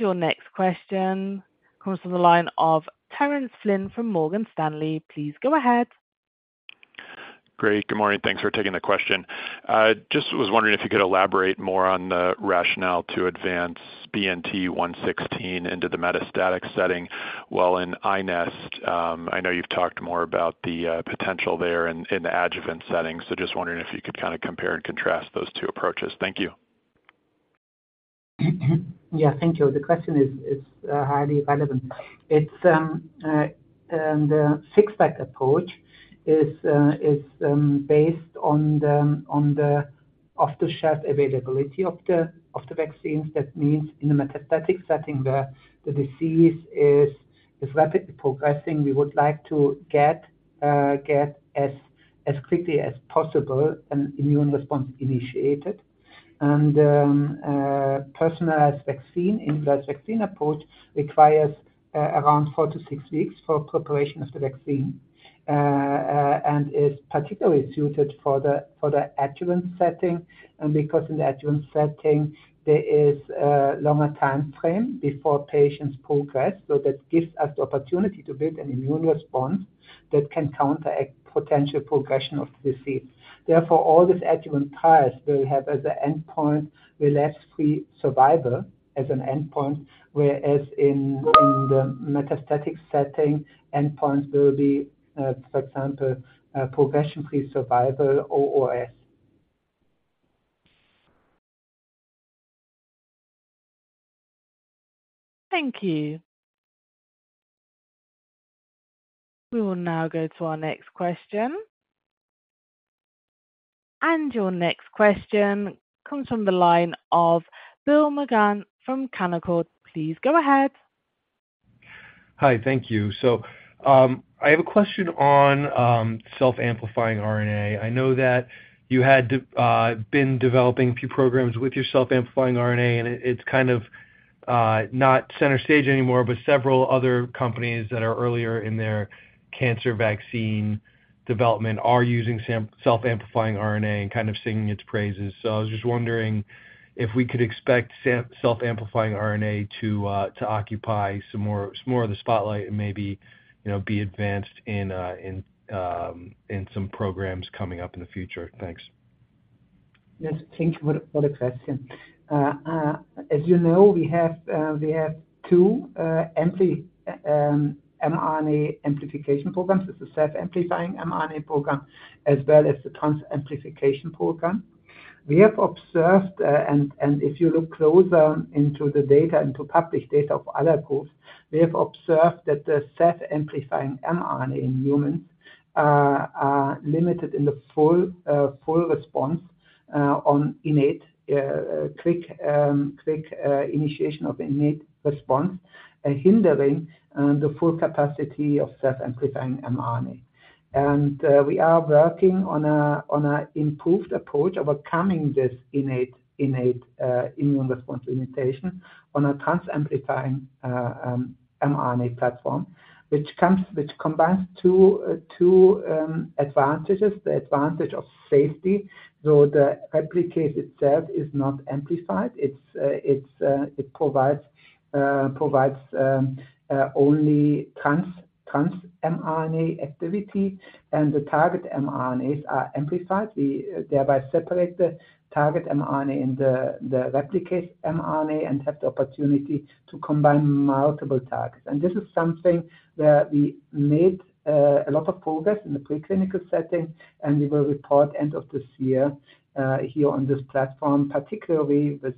Your next question comes from the line of Terence Flynn from Morgan Stanley. Please go ahead. Great. Good morning. Thanks for taking the question. I just was wondering if you could elaborate more on the rationale to advance BNT116 into the metastatic setting, while in iNeST, I know you've talked more about the potential there in the adjuvant setting, just wondering if you could kind of compare and contrast those two approaches. Thank you. Yeah, thank you. The question is, is highly relevant. It's the six-pack approach is based on the off-the-shelf availability of the vaccines. That means in the metastatic setting, the, the disease is, is rapidly progressing. We would like to get as quickly as possible an immune response initiated. Personalized vaccine in the vaccine approach requires around four to six weeks for preparation of the vaccine and is particularly suited for the adjuvant setting. Because in the adjuvant setting, there is a longer timeframe before patients progress, so that gives us the opportunity to build an immune response that can counteract potential progression of the disease. All these adjuvant trials will have as an endpoint, relapse-free survival as an endpoint, whereas in the metastatic setting, endpoints will be, for example, progression-free survival or OS. Thank you. We will now go to our next question. Your next question comes from the line of Bill Maughan from Canaccord. Please go ahead. Hi, thank you. I have a question on self-amplifying RNA. I know that you had to been developing a few programs with your self-amplifying RNA, and it, it's kind of not center stage anymore, but several other companies that are earlier in their cancer vaccine development are using self-amplifying RNA and kind of singing its praises. I was just wondering if we could expect self-amplifying RNA to occupy some more, some more of the spotlight and maybe, you know, be advanced in some programs coming up in the future. Thanks. Yes, thank you for the question. As you know, we have two empty mRNA amplification programs. It's a self-amplifying mRNA program as well as the trans-amplifying program. If you look closer into the data, into public data of other groups, we have observed that the self-amplifying mRNA in humans are limited in the full, full response on innate, quick initiation of innate response, hindering the full capacity of self-amplifying mRNA. We are working on a improved approach overcoming this innate immune response limitation on a trans-amplifying mRNA platform, which combines two advantages. The advantage of safety, so the replicate itself is not amplified. It's, it provides, provides only trans mRNA activity and the target mRNAs are amplified. We thereby separate the target mRNA and the, the replicate mRNA and have the opportunity to combine multiple targets. This is something where we made a lot of progress in the preclinical setting, and we will report end of this year here on this platform, particularly with,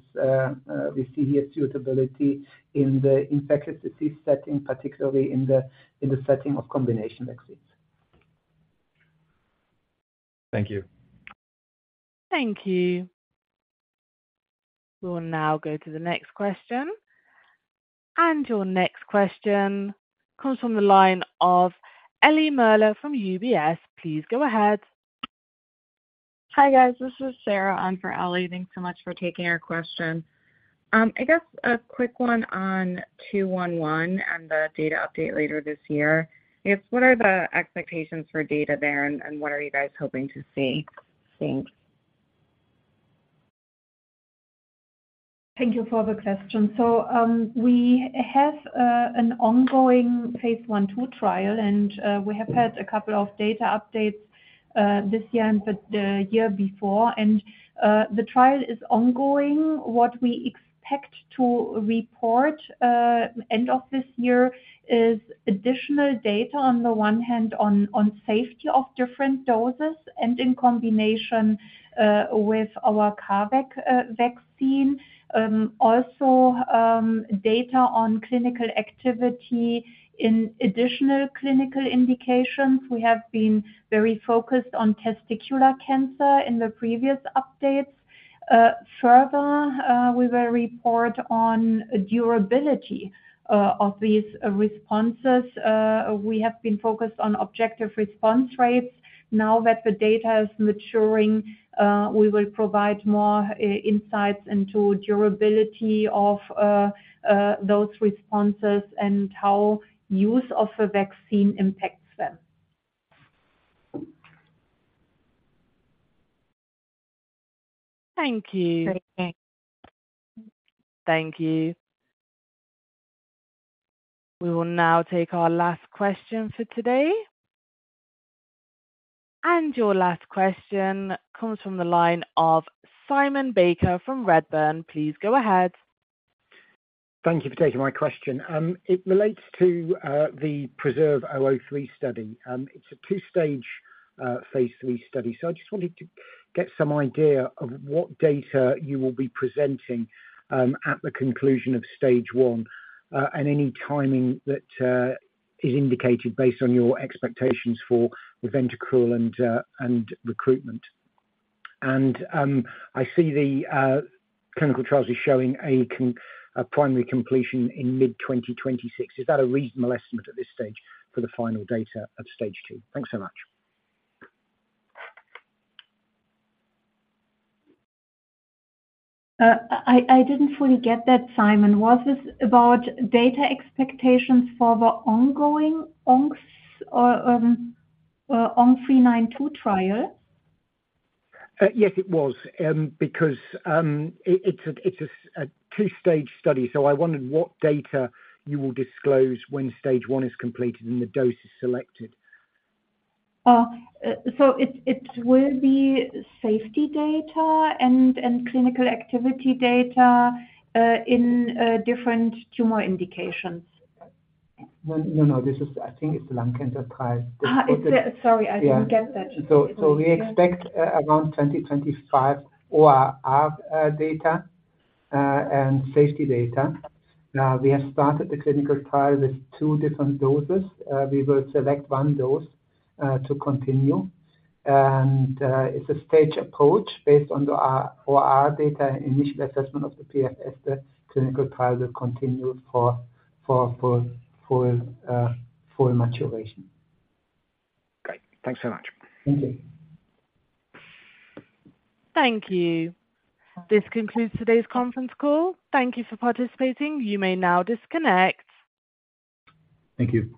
we see the suitability in the infected disease setting, particularly in the setting of combination vaccines. Thank you. Thank you. We'll now go to the next question. Your next question comes from the line of Eliana Merle from UBS. Please go ahead. Hi, guys. This is Sarah on for Ellie. Thanks so much for taking our question. I guess a quick one on BNT211 and the data update later this year. It's what are the expectations for data there, and what are you guys hoping to see? Thanks. Thank you for the question. We have an ongoing phase I trial, and we have had a couple of data updates this year and the year before. The trial is ongoing. What we expect to report end of this year is additional data on the one hand on, on safety of different doses and in combination with our CARVac vaccine. Also, data on clinical activity in additional clinical indications. We have been very focused on testicular cancer in the previous updates. Further, we will report on durability of these responses. We have been focused on objective response rates. Now that the data is maturing, we will provide more insights into durability of those responses and how use of the vaccine impacts them. Thank you. Thank you. We will now take our last question for today. Your last question comes from the line of Simon Baker from Redburn. Please go ahead. Thank you for taking my question. It relates to the PRESERVE-003 study. It's a two-stage phase III study. I just wanted to get some idea of what data you will be presenting at the conclusion of stage 1 and any timing that is indicated based on your expectations for the Ventricle and recruitment. I see the clinical trials is showing a primary completion in mid-2026. Is that a reasonable estimate at this stage for the final data at stage 2? Thanks so much. I didn't fully get that, Simon. Was this about data expectations for the ongoing ONC-392 or ONC-392 trial? Yes, it was, because it's a two-stage study, so I wondered what data you will disclose when stage 1 is completed and the dose is selected. It will be safety data and, and clinical activity data, in different tumor indications. Well, no, no, this is I think it's a lung cancer trial. It's, sorry, I didn't get that. We expect around 2025 ORR data and safety data. We have started the clinical trial with two different doses. We will select one dose to continue. It's a stage approach based on the ORR data initial assessment of the PFS. The clinical trial will continue for full maturation. Great. Thanks so much. Thank you. Thank you. This concludes today's conference call. Thank you for participating. You may now disconnect. Thank you.